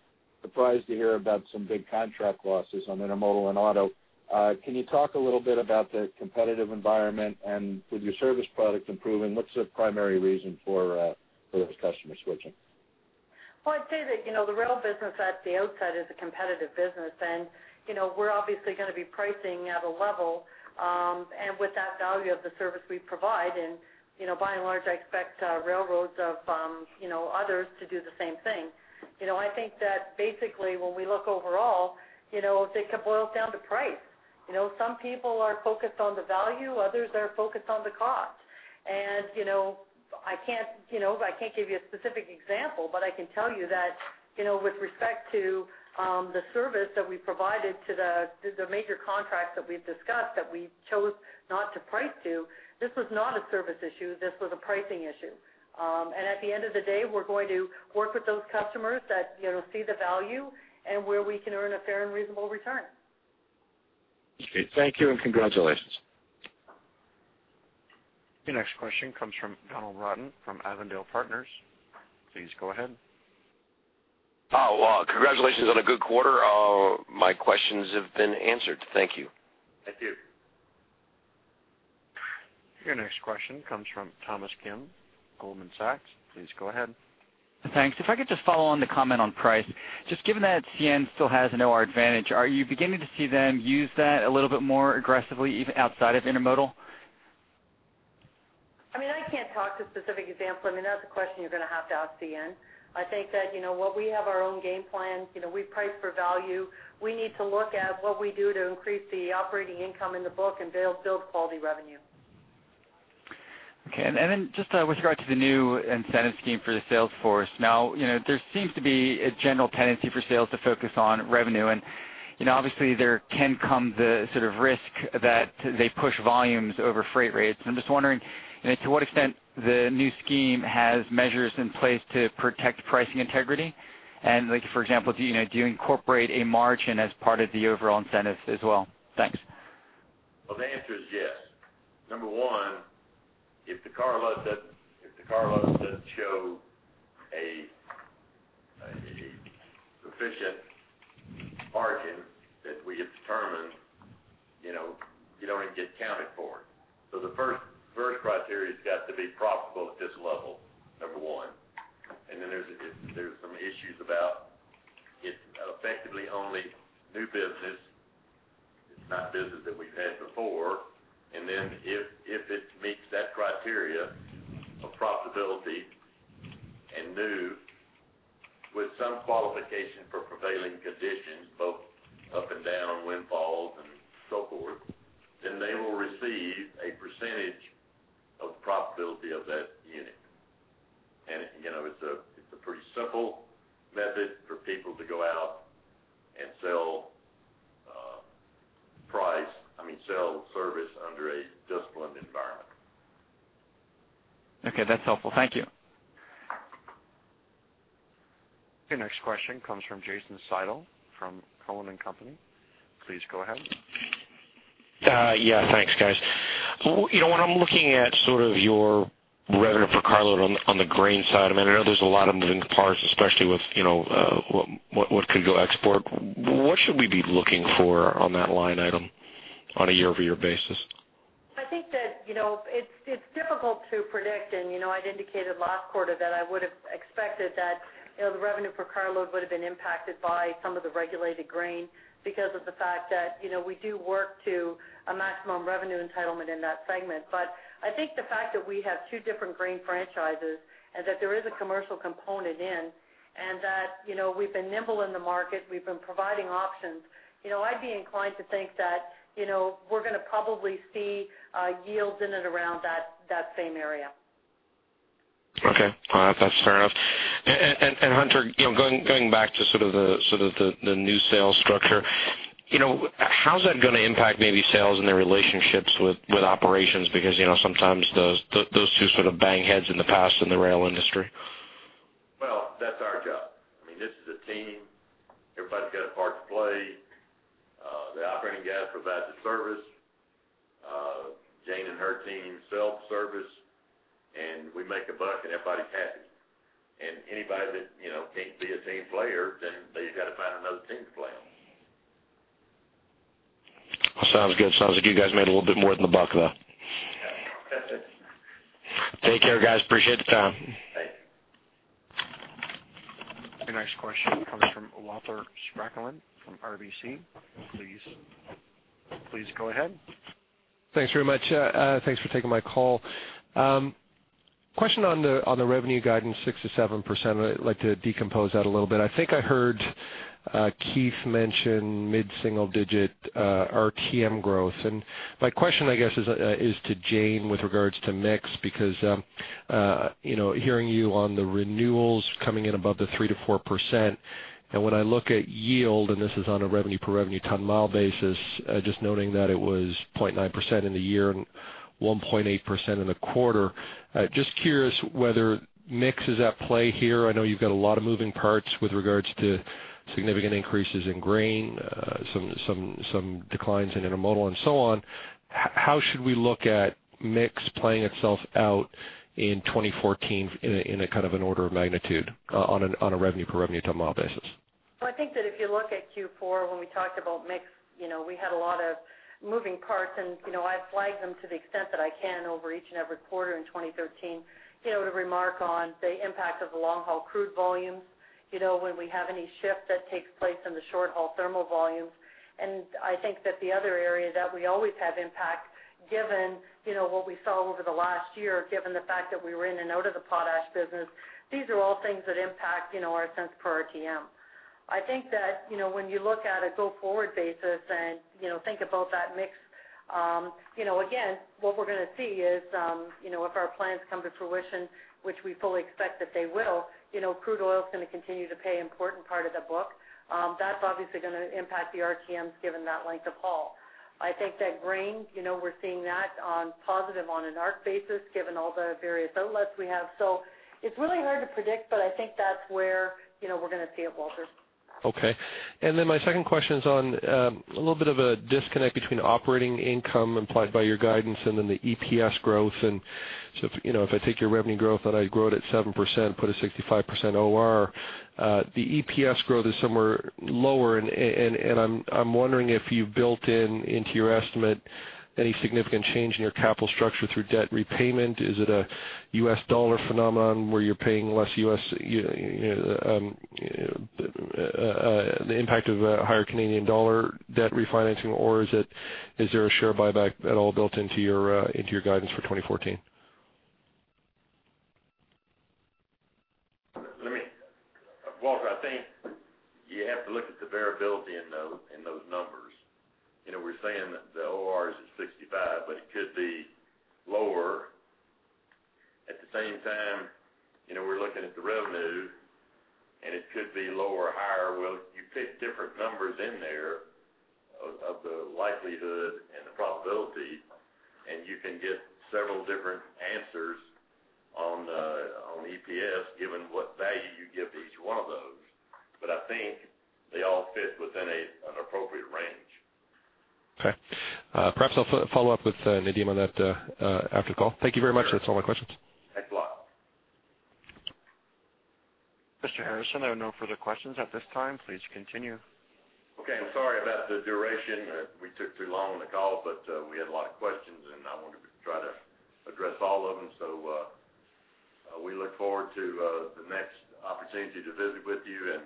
surprised to hear about some big contract losses on intermodal and auto. Can you talk a little bit about the competitive environment and with your service product improving, what's the primary reason for, for those customers switching? Well, I'd say that, you know, the rail business at the outside is a competitive business. And, you know, we're obviously gonna be pricing at a level, and with that value of the service we provide. And, you know, by and large, I expect, railroads of, you know, others to do the same thing. You know, I think that basically, when we look overall, you know, it could boil down to price. You know, some people are focused on the value. Others are focused on the cost. And, you know, I can't you know, I can't give you a specific example. But I can tell you that, you know, with respect to, the service that we provided to the, the major contracts that we've discussed that we chose not to price to, this was not a service issue. This was a pricing issue. At the end of the day, we're going to work with those customers that, you know, see the value and where we can earn a fair and reasonable return. Okay. Thank you. Congratulations. Your next question comes from Donald Broughton from Avondale Partners. Please go ahead. Oh, well, congratulations on a good quarter. My questions have been answered. Thank you. Thank you. Your next question comes from Thomas Kim, Goldman Sachs. Please go ahead. Thanks. If I could just follow on the comment on price, just given that CN still has an OR advantage, are you beginning to see them use that a little bit more aggressively even outside of intermodal? I mean, I can't talk to specific examples. I mean, that's a question you're gonna have to ask CN. I think that, you know, while we have our own game plan, you know, we price for value, we need to look at what we do to increase the operating income in the book and we'll build quality revenue. Okay. Then just, with regard to the new incentive scheme for the sales force, now, you know, there seems to be a general tendency for sales to focus on revenue. And, you know, obviously, there can come the sort of risk that they push volumes over freight rates. And I'm just wondering, you know, to what extent the new scheme has measures in place to protect pricing integrity? And, like, for example, do you know, do you incorporate a margin as part of the overall incentive as well? Thanks. Well, the answer is yes. Number one, if the car loads that show a sufficient margin that we have determined, you know, you don't even get counted for it. So the first criteria's got to be profitable at this level, number one. And then, if there's some issues about, it's effectively only new business. It's not business that we've had before. And then if it meets that criteria of profitability and new with some qualification for prevailing conditions, both up and down, windfalls, and so forth, then they will receive a percentage of the profitability of that unit. And, you know, it's a pretty simple method for people to go out and sell price, I mean, sell service under a disciplined environment. Okay. That's helpful. Thank you. Your next question comes from Jason Seidl from Cowen and Company. Please go ahead. Yeah. Thanks, guys. Well, you know, when I'm looking at sort of your revenue per carload on, on the grain side, I mean, I know there's a lot of moving cars, especially with, you know, what, what, what could go export. Well, what should we be looking for on that line item on a year-over-year basis? I think that, you know, it's difficult to predict. And, you know, I'd indicated last quarter that I would have expected that, you know, the revenue per carload would have been impacted by some of the regulated grain because of the fact that, you know, we do work to a Maximum Revenue Entitlement in that segment. But I think the fact that we have two different grain franchises and that there is a commercial component in and that, you know, we've been nimble in the market. We've been providing options, you know, I'd be inclined to think that, you know, we're gonna probably see yields in and around that same area. Okay. All right. That's fair enough. And, Hunter, you know, going back to sort of the new sales structure, you know, how's that gonna impact maybe sales and their relationships with operations? Because, you know, sometimes those two sort of bang heads in the past in the rail industry. Well, that's our job. I mean, this is a team. Everybody's got a part to play. The operating guys provide the service. Jane and her team sell the service. And we make a buck. And everybody's happy. And anybody that, you know, can't be a team player, then they've gotta find another team to play on. Well, sounds good. Sounds like you guys made a little bit more than the buck, though. Yeah. That's it. Take care, guys. Appreciate the time. Thank you. Your next question comes from Walter Spracklin from RBC. Please go ahead. Thanks very much. Thanks for taking my call. Question on the revenue guidance, 6%-7%. I'd like to decompose that a little bit. I think I heard Keith mention mid-single digit RTM growth. And my question, I guess, is to Jane with regards to mix because, you know, hearing you on the renewals coming in above the 3%-4%. And when I look at yield - and this is on a revenue-per-revenue ton-mile basis - just noting that it was 0.9% in the year and 1.8% in the quarter, just curious whether mix is at play here. I know you've got a lot of moving parts with regards to significant increases in grain, some declines in intermodal, and so on. How should we look at mix playing itself out in 2014 in a kind of an order of magnitude, on a revenue-per-revenue ton-mile basis? Well, I think that if you look at Q4, when we talked about mix, you know, we had a lot of moving parts. You know, I've flagged them to the extent that I can over each and every quarter in 2013, you know, to remark on the impact of the long-haul crude volumes, you know, when we have any shift that takes place in the short-haul thermal volumes. I think that the other area that we always have impact given, you know, what we saw over the last year, given the fact that we were in and out of the potash business; these are all things that impact, you know, our cents per RTM. I think that, you know, when you look at a go-forward basis and, you know, think about that mix, you know, again, what we're gonna see is, you know, if our plans come to fruition, which we fully expect that they will, you know, crude oil's gonna continue to play an important part of the book. That's obviously gonna impact the RTMs given that length of haul. I think that grain, you know, we're seeing that on positive on an R/C basis given all the various outlets we have. So it's really hard to predict. But I think that's where, you know, we're gonna see it, Walter. Okay. And then my second question's on a little bit of a disconnect between operating income implied by your guidance and then the EPS growth. And so if, you know, if I take your revenue growth, that I'd grow it at 7%, put a 65% OR, the EPS growth is somewhere lower. And I'm wondering if you've built in into your estimate any significant change in your capital structure through debt repayment. Is it a U.S. dollar phenomenon where you're paying less U.S. you, you know, the impact of a higher Canadian dollar debt refinancing? Or is there a share buyback at all built into your guidance for 2014? Let me, Walter, I think you have to look at the variability in those numbers. You know, we're saying that the OR is at 65%. But it could be lower. At the same time, you know, we're looking at the revenue. And it could be lower or higher. Well, you fit different numbers in there of the likelihood and the probability. And you can get several different answers on EPS given what value you give to each one of those. But I think they all fit within an appropriate range. Okay. Perhaps I'll follow up with Nadeem on that after the call. Thank you very much. That's all my questions. Thanks a lot. Mr. Harrison, I have no further questions at this time. Please continue. Okay. I'm sorry about the duration. We took too long on the call. We had a lot of questions. I wanted to try to address all of them. We look forward to the next opportunity to visit with you.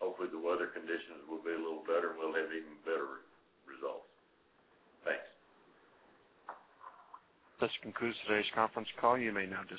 Hopefully, the weather conditions will be a little better. We'll have even better results. Thanks. This concludes today's conference call. You may now disconnect.